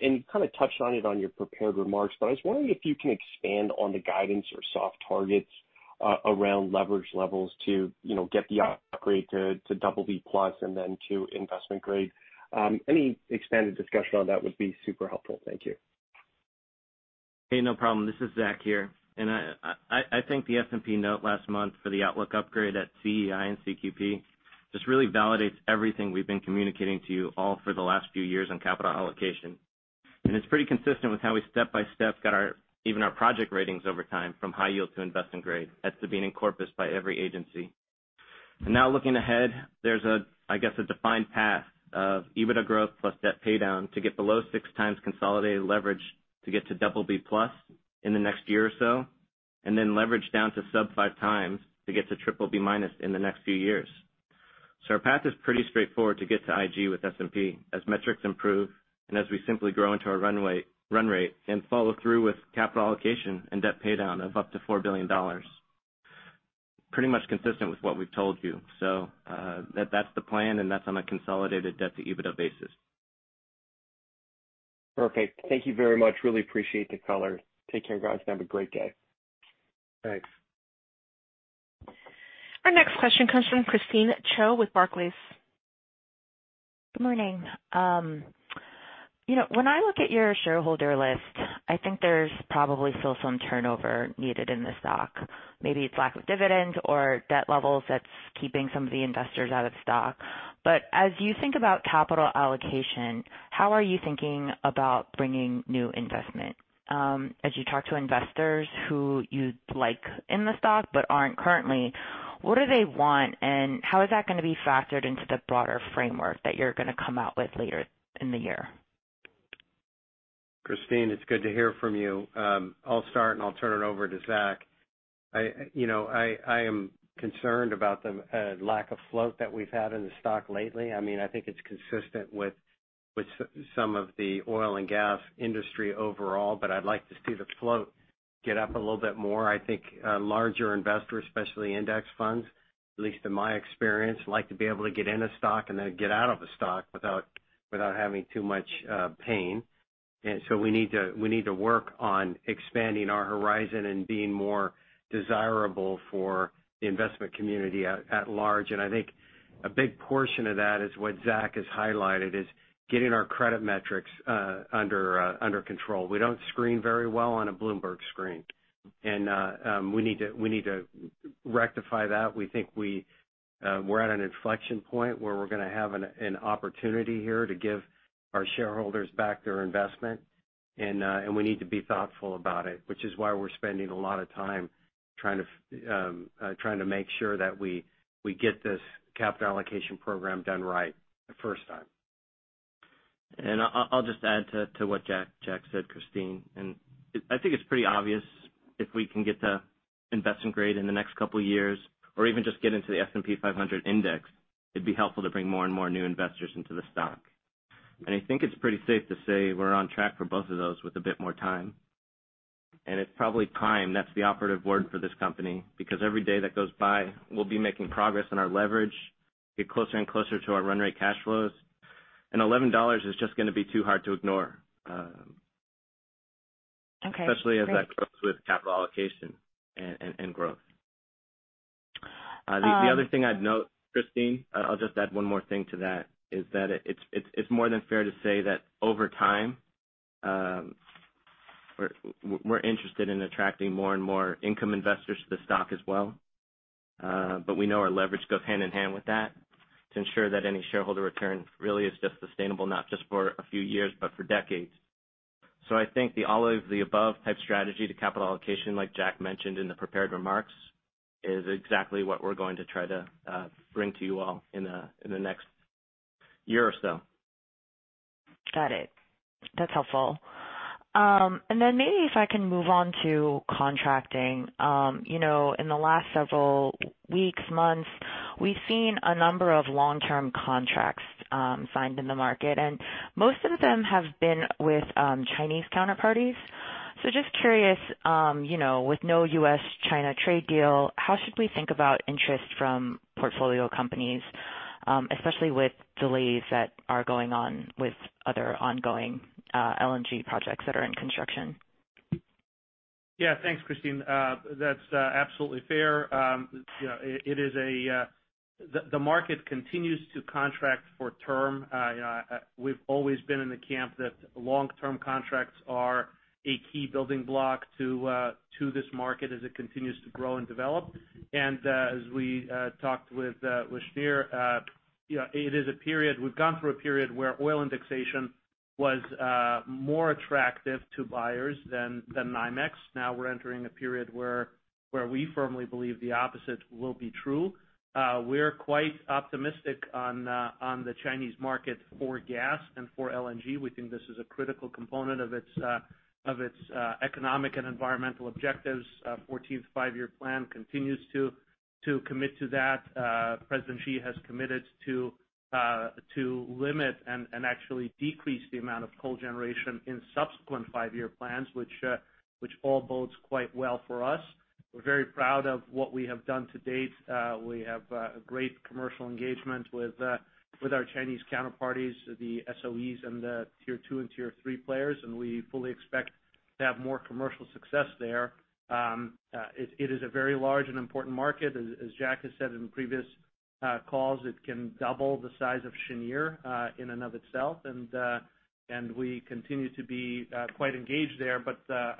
You kind of touched on it on your prepared remarks, but I was wondering if you can expand on the guidance or soft targets around leverage levels to get the upgrade to BB+ and then to investment grade. Any expanded discussion on that would be super helpful. Thank you. Hey, no problem. This is Zach here. I think the S&P note last month for the outlook upgrade at CEI and CQP just really validates everything we've been communicating to you all for the last few years on capital allocation. It's pretty consistent with how we step-by-step got even our project ratings over time from high yield to investment grade at Sabine and Corpus by every agency. Now looking ahead, there's, I guess, a defined path of EBITDA growth plus debt paydown to get below six times consolidated leverage to get to BB+ in the next year or so, and then leverage down to sub five times to get to BBB- in the next few years. Our path is pretty straightforward to get to IG with S&P as metrics improve and as we simply grow into our run rate and follow through with capital allocation and debt paydown of up to $4 billion. Pretty much consistent with what we've told you. That's the plan, and that's on a consolidated debt-to-EBITDA basis. Perfect. Thank you very much. Really appreciate the color. Take care, guys. Have a great day. Thanks. Our next question comes from Christine Cho with Barclays. Good morning. When I look at your shareholder list, I think there's probably still some turnover needed in the stock. Maybe it's lack of dividends or debt levels that's keeping some of the investors out of stock. As you think about capital allocation, how are you thinking about bringing new investment? As you talk to investors who you'd like in the stock but aren't currently, what do they want, and how is that going to be factored into the broader framework that you're going to come out with later in the year? Christine, it's good to hear from you. I'll start, and I'll turn it over to Zach. I am concerned about the lack of float that we've had in the stock lately. I think it's consistent with some of the oil and gas industry overall, but I'd like to see the float get up a little bit more. I think larger investors, especially index funds, at least in my experience, like to be able to get in a stock and then get out of a stock without having too much pain. We need to work on expanding our horizon and being more desirable for the investment community at large. I think a big portion of that is what Zach has highlighted, is getting our credit metrics under control. We don't screen very well on a Bloomberg screen, and we need to rectify that. We think we're at an inflection point where we're going to have an opportunity here to give our shareholders back their investment, and we need to be thoughtful about it, which is why we're spending a lot of time trying to make sure that we get this capital allocation program done right the first time. I'll just add to what Jack said, Christine. I think it's pretty obvious if we can get to investment grade in the next couple of years or even just get into the S&P 500 index, it'd be helpful to bring more and more new investors into the stock. I think it's pretty safe to say we're on track for both of those with a bit more time. It's probably time, that's the operative word for this company, because every day that goes by, we'll be making progress on our leverage, get closer and closer to our run rate cash flows, and $11 is just going to be too hard to ignore- Okay, great. ...especially as that grows with capital allocation and growth. The other thing I'd note, Christine, I'll just add one more thing to that, is that it's more than fair to say that over time, we're interested in attracting more and more income investors to the stock as well. We know our leverage goes hand-in-hand with that to ensure that any shareholder return really is just sustainable, not just for a few years, but for decades. I think the all-of-the-above type strategy to capital allocation, like Jack mentioned in the prepared remarks, is exactly what we're going to try to bring to you all in the next year or so. Got it. That's helpful. Maybe if I can move on to contracting. In the last several weeks, months, we've seen a number of long-term contracts signed in the market, and most of them have been with Chinese counterparties. Just curious, with no U.S.-China trade deal, how should we think about interest from portfolio companies, especially with delays that are going on with other ongoing LNG projects that are in construction? Yeah. Thanks, Christine. That's absolutely fair. The market continues to contract for term. We've always been in the camp that long-term contracts are a key building block to this market as it continues to grow and develop. As we talked with Cheniere, we've gone through a period where oil indexation was more attractive to buyers than NYMEX. Now we're entering a period where we firmly believe the opposite will be true. We're quite optimistic on the Chinese market for gas and for LNG. We think this is a critical component of its economic and environmental objectives. 14th five-year plan continues to commit to that. President Xi has committed to limit and actually decrease the amount of coal generation in subsequent five-year plans, which all bodes quite well for us. We're very proud of what we have done to date. We have a great commercial engagement with our Chinese counterparties, the SOEs and the Tier 2 and Tier 3 players. We fully expect to have more commercial success there. It is a very large and important market. As Jack has said in previous calls, it can double the size of Cheniere in and of itself and we continue to be quite engaged there.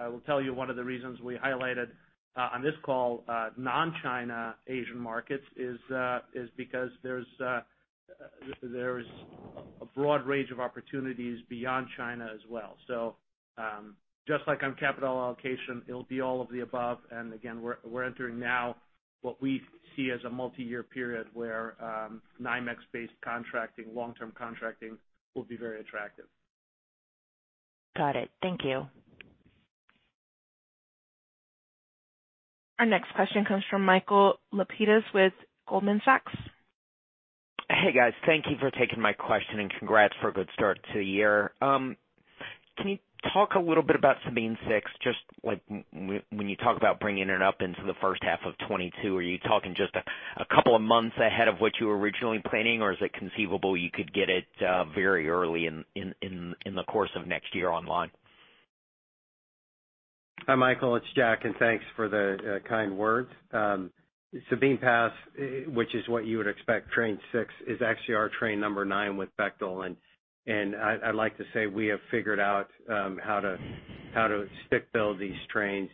I will tell you one of the reasons we highlighted on this call non-China Asian markets is because there is a broad range of opportunities beyond China as well. Just like on capital allocation, it'll be all of the above. Again, we're entering now what we see as a multi-year period where NYMEX-based contracting, long-term contracting, will be very attractive. Got it. Thank you. Our next question comes from Michael Lapides with Goldman Sachs. Hey guys, thank you for taking my question and congrats for a good start to the year. Can you talk a little bit about Sabine Six, just like when you talk about bringing it up into the first half of 2022, are you talking just a couple of months ahead of what you were originally planning, or is it conceivable you could get it very early in the course of next year online? Hi, Michael, it's Jack, and thanks for the kind words. Sabine Pass, which is what you would expect, Train 6, is actually our train number 9 with Bechtel, and I'd like to say we have figured out how to stick build these trains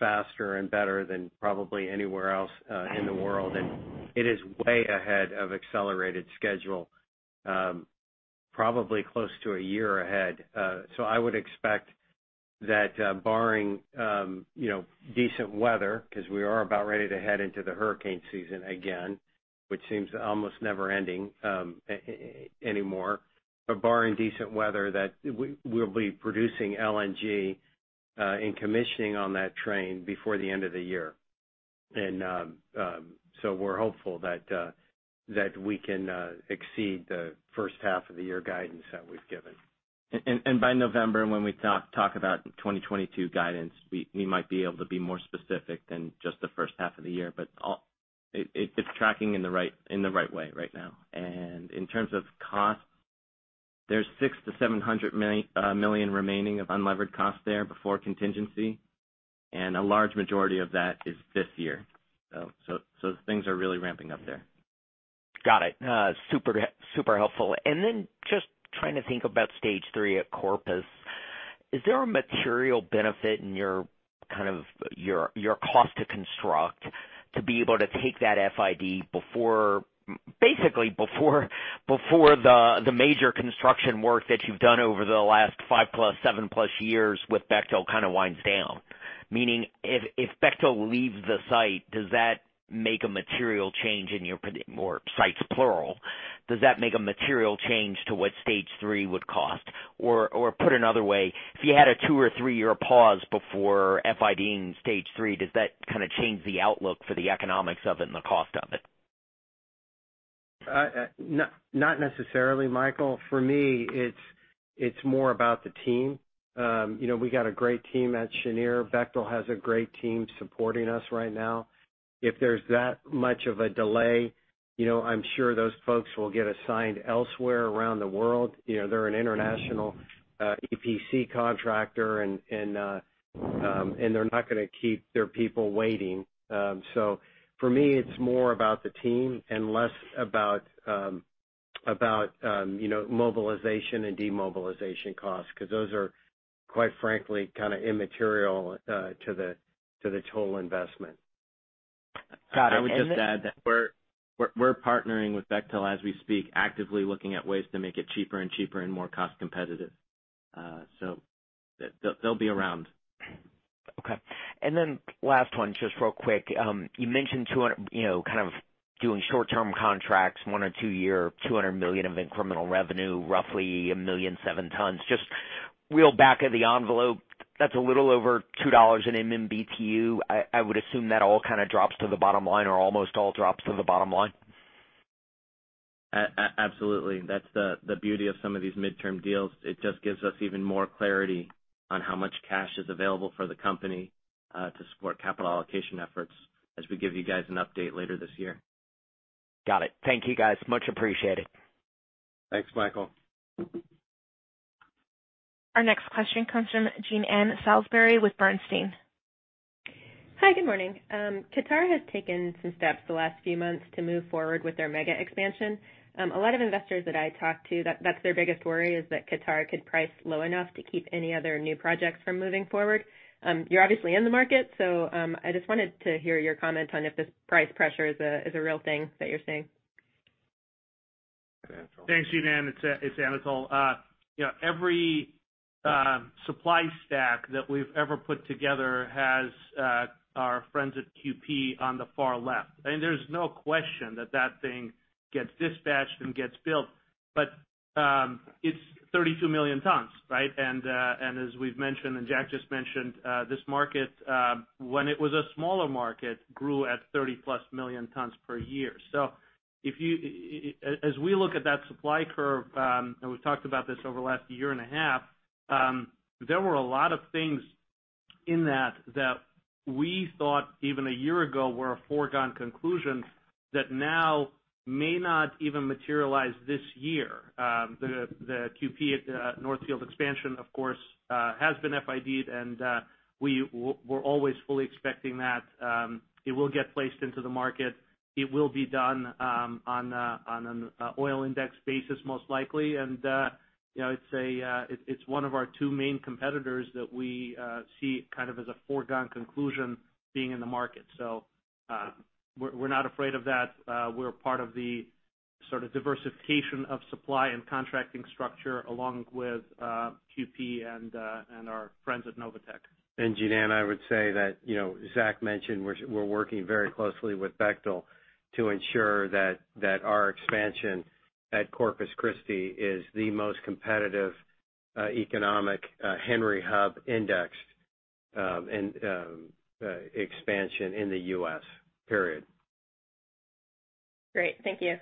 faster and better than probably anywhere else in the world. It is way ahead of accelerated schedule, probably close to a year ahead. I would expect that barring decent weather, because we are about ready to head into the hurricane season again, which seems almost never ending anymore, but barring decent weather, that we'll be producing LNG and commissioning on that train before the end of the year. We're hopeful that we can exceed the first half of the year guidance that we've given. By November, when we talk about 2022 guidance, we might be able to be more specific than just the first half of the year. It's tracking in the right way right now. In terms of cost, there's $600 million-$700 million remaining of unlevered cost there before contingency, and a large majority of that is this year so things are really ramping up there. Got it. Super helpful. Just trying to think about Stage 3 at Corpus. Is there a material benefit in your cost to construct to be able to take that FID basically before the major construction work that you've done over the last 5+, 7+ years with Bechtel kind of winds down? Meaning, if Bechtel leaves the site, or sites plural, does that make a material change to what Stage 3 would cost? Put another way, if you had a two- or three-year pause before FID-ing Stage 3, does that change the outlook for the economics of it and the cost of it? Not necessarily, Michael. For me, it's more about the team. We got a great team at Cheniere. Bechtel has a great team supporting us right now. If there's that much of a delay, I'm sure those folks will get assigned elsewhere around the world. They're an international EPC contractor, and they're not going to keep their people waiting. For me, it's more about the team and less about mobilization and demobilization costs, because those are, quite frankly, immaterial to the total investment. Got it. I would just add that we're partnering with Bechtel as we speak, actively looking at ways to make it cheaper and cheaper and more cost-competitive. They'll be around. Okay. Last one, just real quick. You mentioned kind of doing short-term contracts, one or two year, $200 million of incremental revenue, roughly 1.7 million tons. Just real back of the envelope, that's a little over $2 an MMBtu. I would assume that all drops to the bottom line or almost all drops to the bottom line. Absolutely. That's the beauty of some of these mid-term deals. It just gives us even more clarity on how much cash is available for the company to support capital allocation efforts as we give you guys an update later this year. Got it. Thank you guys, much appreciated. Thanks, Michael. Our next question comes from Jean Ann Salisbury with Bernstein. Hi, good morning. Qatar has taken some steps the last few months to move forward with their mega expansion. A lot of investors that I talk to, that's their biggest worry is that Qatar could price low enough to keep any other new projects from moving forward. I just wanted to hear your comment on if this price pressure is a real thing that you're seeing. Thanks, Jean Ann. It's Anatol. Every supply stack that we've ever put together has our friends at QP on the far left. There's no question that that thing gets dispatched and gets built, but it's 32 million tons, right? As we've mentioned and Jack just mentioned, this market, when it was a smaller market, grew at 30+ million tons per year. As we look at that supply curve, and we've talked about this over the last year and a half, there were a lot of things in that we thought even a year ago were a foregone conclusion that now may not even materialize this year. The QP at the North Field expansion, of course, has been FID-ed, and we're always fully expecting that it will get placed into the market. It will be done on an oil-indexed basis, most likely. It's one of our two main competitors that we see as a foregone conclusion being in the market. We're not afraid of that. We're part of the sort of diversification of supply and contracting structure along with QP and our friends at Novatek. Jean Ann, I would say that Zach mentioned we're working very closely with Bechtel to ensure that our expansion at Corpus Christi is the most competitive-economic Henry Hub indexed expansion in the U.S., period. Great. Thank you.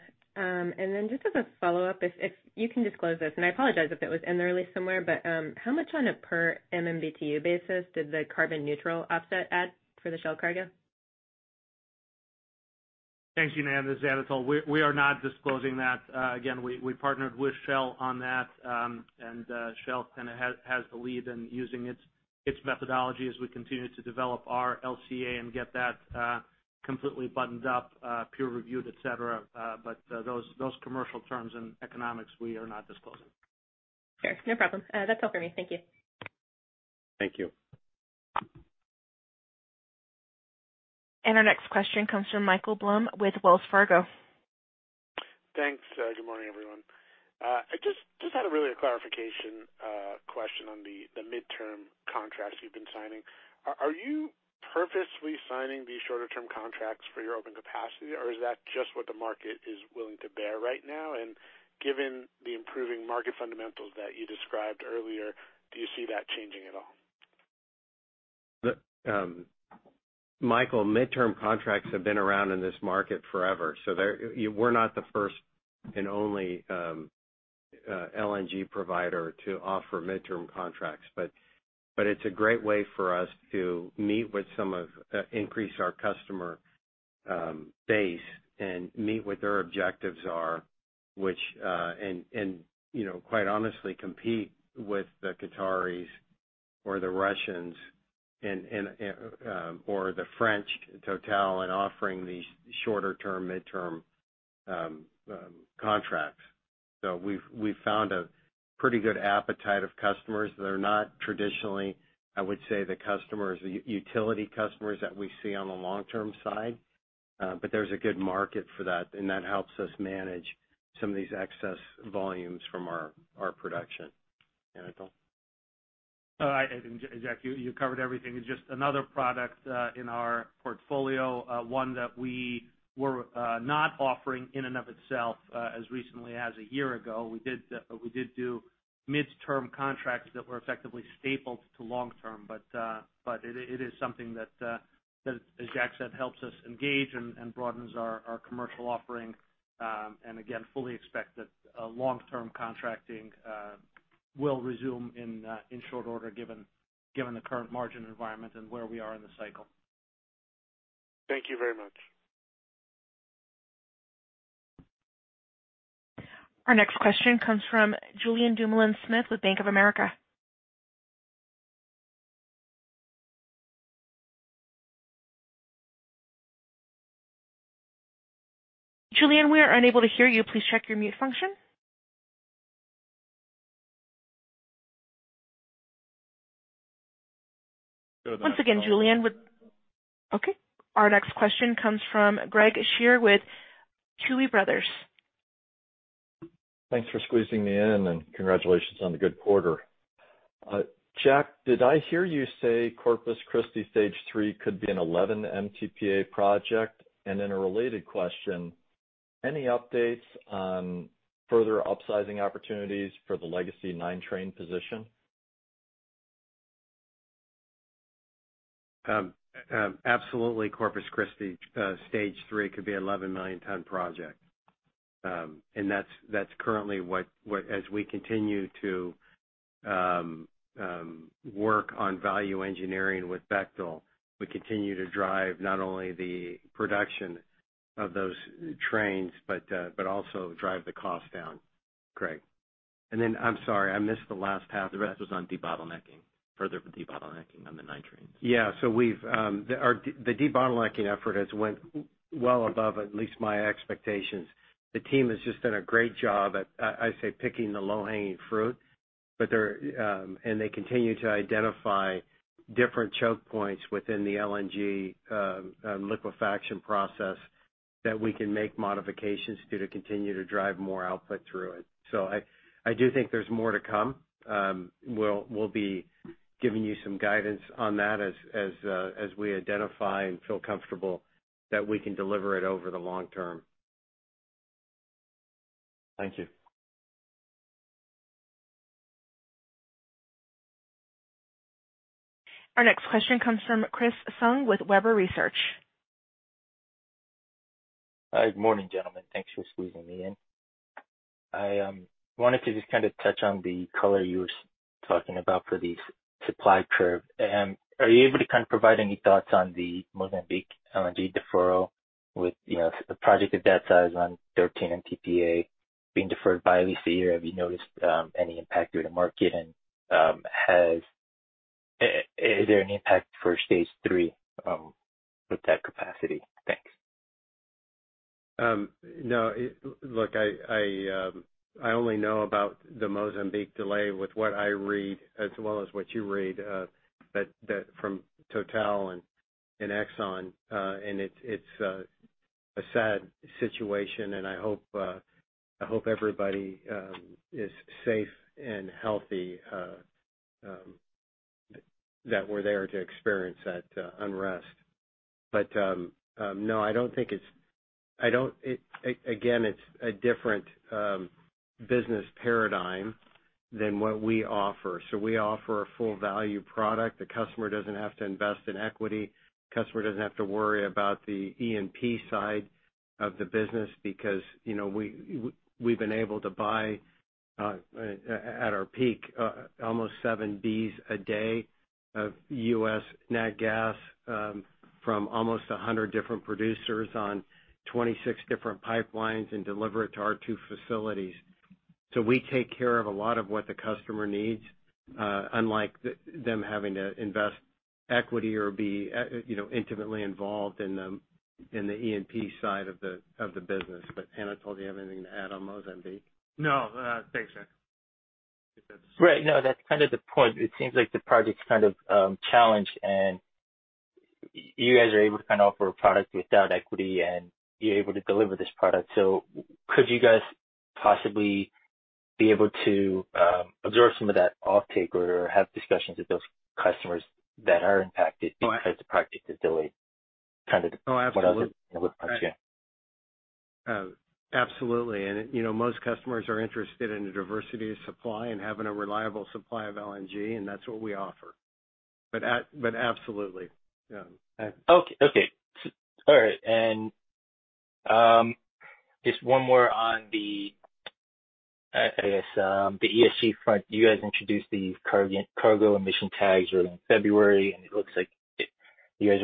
Just as a follow-up, if you can disclose this, and I apologize if it was in there somewhere, but how much on a per MMBtu basis did the carbon neutral offset add for the Shell cargo? Thanks, Jean Ann. This is Anatol. We are not disclosing that. We partnered with Shell on that, and Shell kind of has the lead in using its methodology as we continue to develop our LCA and get that completely buttoned up, peer-reviewed, etc. Those commercial terms and economics, we are not disclosing. Sure, no problem. That's all for me. Thank you. Thank you. Our next question comes from Michael Blum with Wells Fargo. Thanks. Good morning, everyone. I just had a really a clarification question on the midterm contracts you've been signing. Are you purposely signing these shorter-term contracts for your open capacity, or is that just what the market is willing to bear right now? Given the improving market fundamentals that you described earlier, do you see that changing at all? Michael, midterm contracts have been around in this market forever. We're not the first and only LNG provider to offer midterm contracts. It's a great way for us to increase our customer base and meet what their objectives are, and quite honestly, compete with the Qataris or the Russians or the French Total in offering these shorter-term, midterm contracts. We've found a pretty good appetite of customers that are not traditionally, I would say, the utility customers that we see on the long-term side. There's a good market for that, and that helps us manage some of these excess volumes from our production. Anatol? All right. Jack, you covered everything. It's just another product in our portfolio. One that we were not offering in and of itself as recently as a year ago. We did do midterm contracts that were effectively stapled to long-term, but it is something that, as Jack said, helps us engage and broadens our commercial offering. Again, fully expect that long-term contracting will resume in short order given the current margin environment and where we are in the cycle. Thank you very much. Our next question comes from Julien Dumoulin-Smith with Bank of America. Julien, we are unable to hear you. Please check your mute function. Once again, Julien with- okay. Our next question comes from Craig Shere with Tuohy Brothers. Thanks for squeezing me in, and congratulations on the good quarter. Jack, did I hear you say Corpus Christi Stage 3 could be an 11 MTPA project? A related question, any updates on further upsizing opportunities for the legacy nine-train position? Absolutely. Corpus Christi Stage 3 could be an 11 million-ton project. That's currently what, as we continue to work on value engineering with Bechtel, we continue to drive not only the production of those trains but also drive the cost down, Craig. I'm sorry, I missed the last half. The rest was on debottlenecking, further debottlenecking on the nine trains. Yeah. The debottlenecking effort has went well above at least my expectations. The team has just done a great job at, I say, picking the low-hanging fruit, and they continue to identify different choke points within the LNG liquefaction process that we can make modifications to continue to drive more output through it. I do think there's more to come. We'll be giving you some guidance on that as we identify and feel comfortable that we can deliver it over the long term. Thank you. Our next question comes from Chris Sung with Webber Research. Hi. Good morning, gentlemen. Thanks for squeezing me in. I wanted to just kind of touch on the color you were talking about for the supply curve. Are you able to kind of provide any thoughts on the Mozambique LNG deferral with a project of that size on 13 MTPA being deferred by at least a year? Have you noticed any impact to the market, and is there an impact for Stage 3 with that capacity? Thanks. No. Look, I only know about the Mozambique delay with what I read as well as what you read from Total and Exxon. It's a sad situation, and I hope everybody is safe and healthy that were there to experience that unrest. No, again, it's a different business paradigm than what we offer. We offer a full value product. The customer doesn't have to invest in equity, customer doesn't have to worry about the E&P side of the business because we've been able to buy, at our peak, almost seven Bs a day of U.S. nat gas from almost 100 different producers on 26 different pipelines and deliver it to our two facilities. We take care of a lot of what the customer needs, unlike them having to invest equity or be intimately involved in the E&P side of the business. Anatol, do you have anything to add on Mozambique? No. Thanks, Jack. Right. No, that's kind of the point. It seems like the project's kind of challenged, and you guys are able to offer a product without equity, and you're able to deliver this product. Could you guys possibly be able to absorb some of that offtake or have discussions with those customers that are impacted? Oh, ab- The project is delayed? Oh, absolutely. What I was getting with, yeah. Absolutely. Most customers are interested in a diversity of supply and having a reliable supply of LNG, and that's what we offer. Absolutely. Yeah. Okay. All right. Just one more on the, I guess, the ESG front. You guys introduced the Cargo Emissions Tags early in February, and it looks like you guys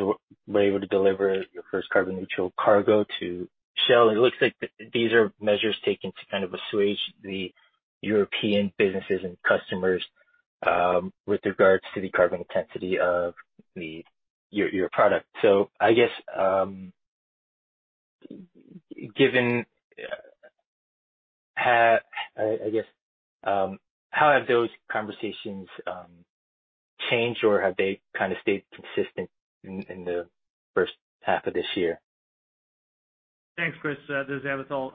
were able to deliver your first carbon-neutral cargo to Shell. It looks like these are measures taken to kind of assuage the European businesses and customers, with regards to the carbon intensity of your product. I guess, how have those conversations changed or have they kind of stayed consistent in the first half of this year? Thanks, Chris. This is Anatol.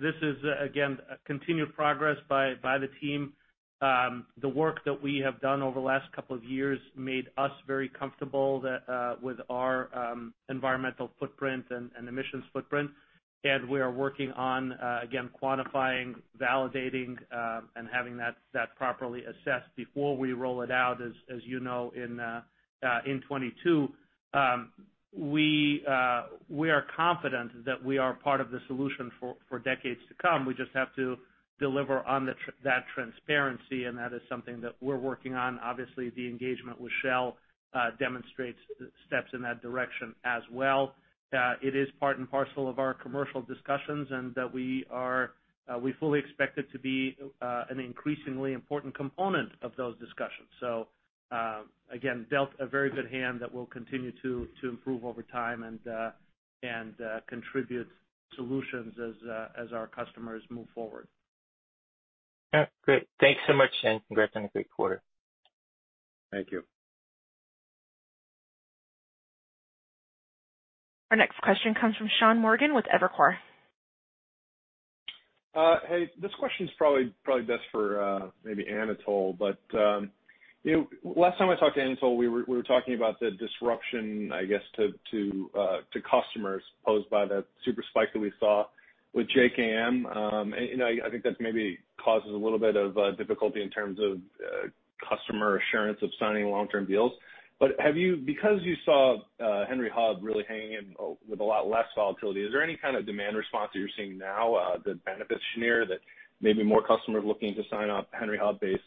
This is again, a continued progress by the team. The work that we have done over the last couple of years made us very comfortable with our environmental footprint and emissions footprint. We are working on, again, quantifying, validating, and having that properly assessed before we roll it out, as you know, in 2022. We are confident that we are part of the solution for decades to come. We just have to deliver on that transparency, and that is something that we're working on. Obviously, the engagement with Shell demonstrates steps in that direction as well. It is part and parcel of our commercial discussions and that we fully expect it to be an increasingly important component of those discussions. Again, dealt a very good hand that we'll continue to improve over time and contribute solutions as our customers move forward. Okay, great. Thanks so much, and congrats on a great quarter. Thank you. Our next question comes from Sean Morgan with Evercore. Hey, this question's probably best for maybe Anatol, but last time I talked to Anatol, we were talking about the disruption, I guess, to customers posed by that super spike that we saw with JKM. I think that maybe causes a little bit of difficulty in terms of customer assurance of signing long-term deals. Because you saw Henry Hub really hanging in with a lot less volatility, is there any kind of demand response that you're seeing now that benefits Cheniere, that maybe more customers looking to sign up Henry Hub-based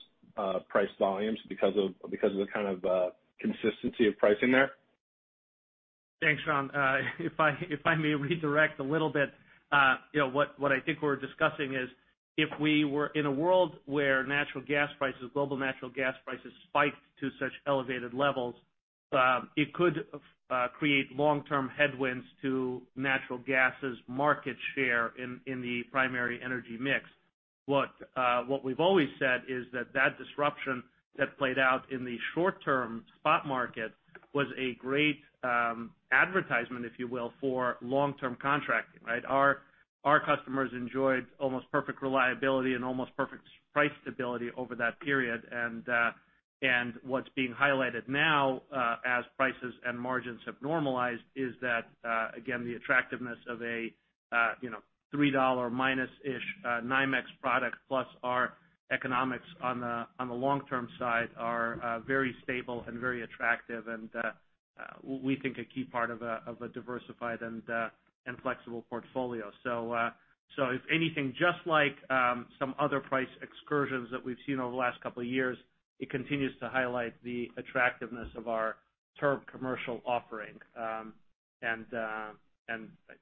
price volumes because of the kind of consistency of pricing there? Thanks, Sean. If I may redirect a little bit what I think we're discussing is if we were in a world where global natural gas prices spiked to such elevated levels, it could create long-term headwinds to natural gas's market share in the primary energy mix. What we've always said is that that disruption that played out in the short-term spot market was a great advertisement, if you will, for long-term contracting, right? Our customers enjoyed almost perfect reliability and almost perfect price stability over that period. What's being highlighted now, as prices and margins have normalized, is that, again, the attractiveness of a $3 minus-ish NYMEX product plus our economics on the long-term side are very stable and very attractive, and we think a key part of a diversified and flexible portfolio. If anything, just like some other price excursions that we've seen over the last couple of years, it continues to highlight the attractiveness of our IPM commercial offering.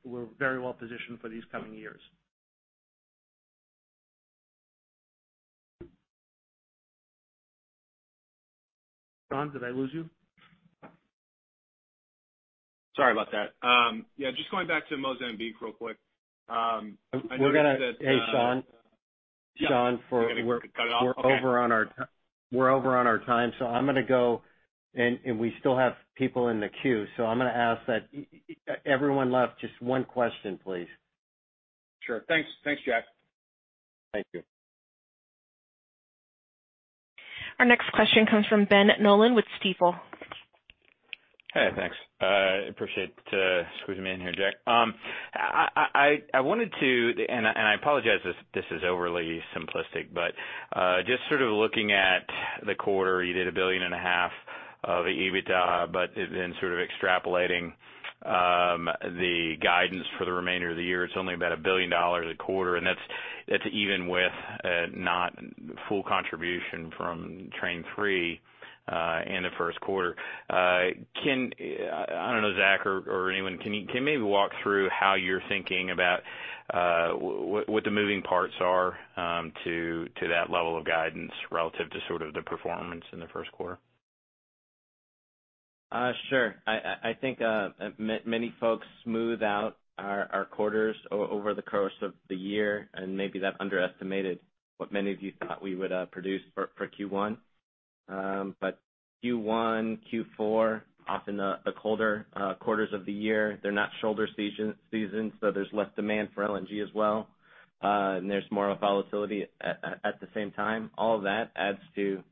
We're very well-positioned for these coming years. Sean, did I lose you? Sorry about that. Yeah, just going back to Mozambique real quick. Hey, Sean. Yeah. Sean. You cut off? Okay. We're over on our time. I'm going to go, and we still have people in the queue, so I'm going to ask that everyone left just one question, please. Sure. Thanks, Jack. Thank you. Our next question comes from Ben Nolan with Stifel. Hey, thanks. I appreciate you squeezing me in here, Jack. I wanted to, I apologize if this is overly simplistic, just sort of looking at the quarter, you did $1,500,000 of EBITDA, sort of extrapolating the guidance for the remainder of the year, it's only about $1,250,000, and that's even with not full contribution from Train 3 in the first quarter. I don't know, Zach or anyone, can you maybe walk through how you're thinking about what the moving parts are to that level of guidance relative to sort of the performance in the first quarter? Sure. I think many folks smooth out our quarters over the course of the year, and maybe that underestimated what many of you thought we would produce for Q1. Q1, Q4, often the colder quarters of the year, they're not shoulder seasons, so there's less demand for LNG as well. There's more volatility at the same time. All of that adds to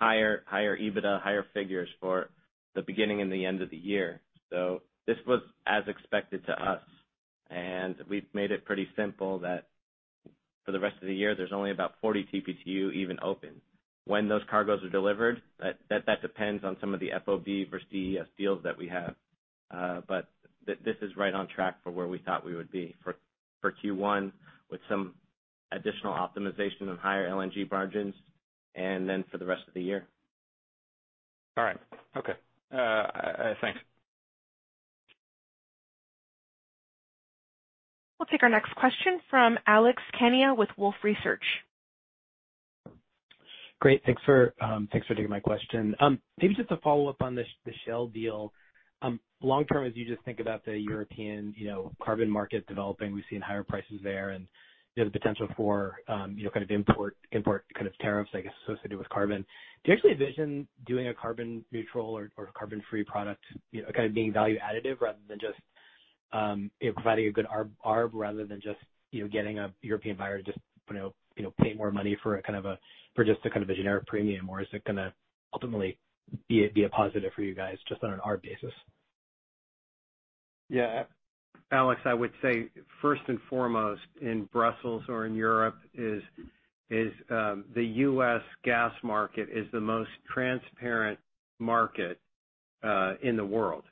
higher EBITDA, higher figures for the beginning and the end of the year. This was as expected to us, and we've made it pretty simple that for the rest of the year, there's only about 40 TBtu even open. When those cargoes are delivered, that depends on some of the FOB versus DES deals that we have. This is right on track for where we thought we would be for Q1, with some additional optimization on higher LNG margins and then for the rest of the year. All right. Okay. Thanks. We'll take our next question from Alex Kania with Wolfe Research. Great. Thanks for taking my question. Maybe just a follow-up on the Shell deal. Long-term, as you just think about the European carbon market developing, we've seen higher prices there and the potential for import kind of tariffs, I guess, associated with carbon. Do you actually envision doing a carbon neutral or carbon-free product kind of being value additive rather than just providing a good arb rather than just getting a European buyer to just pay more money for just a kind of a generic premium or is it going to ultimately be a positive for you guys just on an arb basis? Yeah. Alex, I would say first and foremost in Brussels or in Europe is the U.S. gas market is the most transparent market in the world.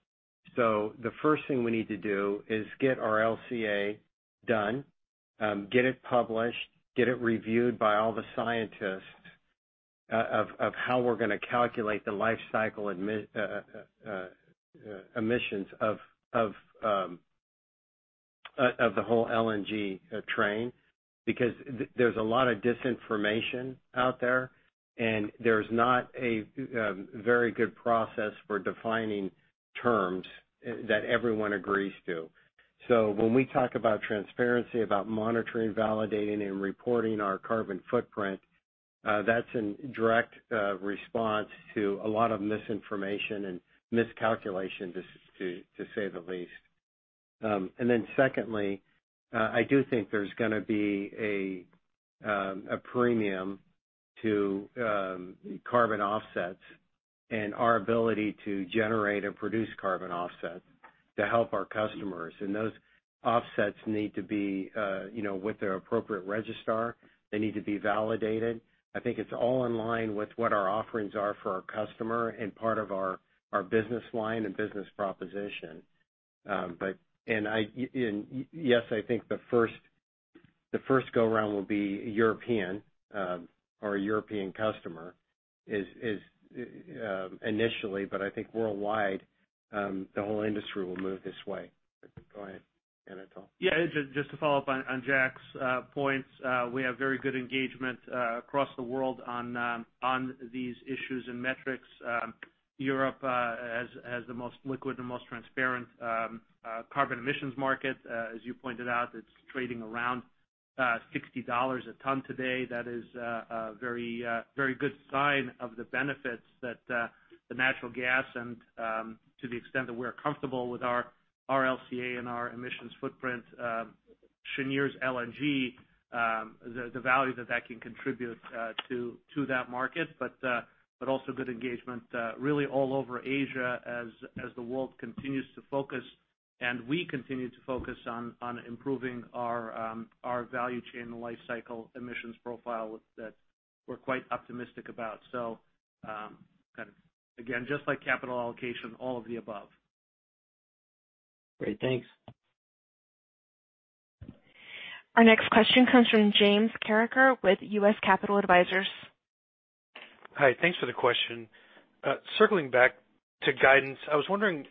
The first thing we need to do is get our LCA done, get it published, get it reviewed by all the scientists of how we're going to calculate the life cycle emissions of the whole LNG train, because there's a lot of disinformation out there, and there's not a very good process for defining terms that everyone agrees to. When we talk about transparency, about monitoring, validating, and reporting our carbon footprint, that's in direct response to a lot of misinformation and miscalculation, to say the least. Secondly, I do think there's going to be a premium to carbon offsets and our ability to generate or produce carbon offsets to help our customers. Those offsets need to be with their appropriate registrar. They need to be validated. I think it's all in line with what our offerings are for our customer and part of our business line and business proposition. Yes, I think the first go-round will be European or a European customer initially, but I think worldwide, the whole industry will move this way. Go ahead, Anatol. Just to follow up on Jack's points. We have very good engagement across the world on these issues and metrics. Europe has the most liquid and most transparent carbon emissions market. As you pointed out, it's trading around $60 a ton today. That is a very good sign of the benefits that the natural gas, and to the extent that we're comfortable with our LCA and our emissions footprint, Cheniere's LNG, the value that that can contribute to that market. Also good engagement really all over Asia as the world continues to focus and we continue to focus on improving our value chain life cycle emissions profile that we're quite optimistic about. Again, just like capital allocation, all of the above. Great. Thanks. Our next question comes from James Carreker with U.S. Capital Advisors. Hi. Thanks for the question. Circling back to guidance, I was wondering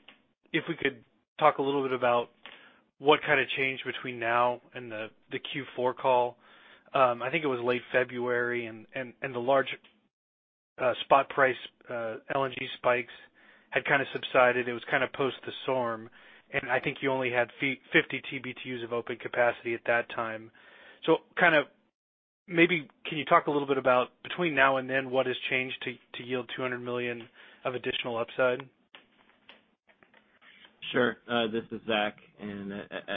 if we could talk a little bit about what kind of change between now and the Q4 call. I think it was late February, the large spot price LNG spikes had kind of subsided. It was kind of post the storm, I think you only had 50 TBtu of open capacity at that time. Maybe can you talk a little bit about between now and then, what has changed to yield $200 million of additional upside? Sure. This is Zach.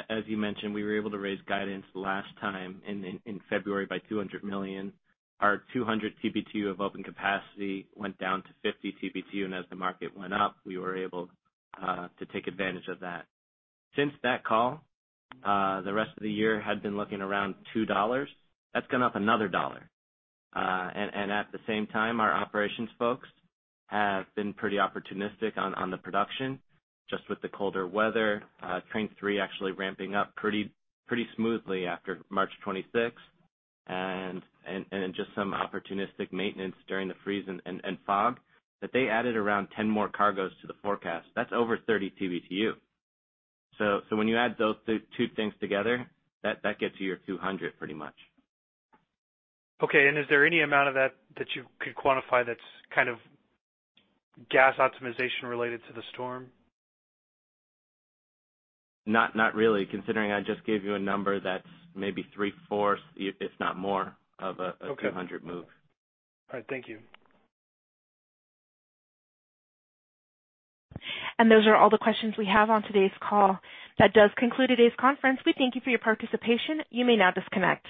As you mentioned, we were able to raise guidance last time in February by $200 million. Our 200 TBtu of open capacity went down to 50 TBtu. As the market went up, we were able to take advantage of that. Since that call, the rest of the year had been looking around $2. That's gone up another $1. At the same time, our operations folks have been pretty opportunistic on the production, just with the colder weather. Train 3 actually ramping up pretty smoothly after March 26th and just some opportunistic maintenance during the freeze and fog. They added around 10 more cargoes to the forecast. That's over 30 TBtu. When you add those two things together, that gets you your 200 TBtu pretty much. Okay. Is there any amount of that that you could quantify that's kind of gas optimization related to the storm? Not really, considering I just gave you a number that's maybe 3/4, if not more- Okay. of the 200 TBtu move. All right. Thank you. Those are all the questions we have on today's call. That does conclude today's conference. We thank you for your participation. You may now disconnect.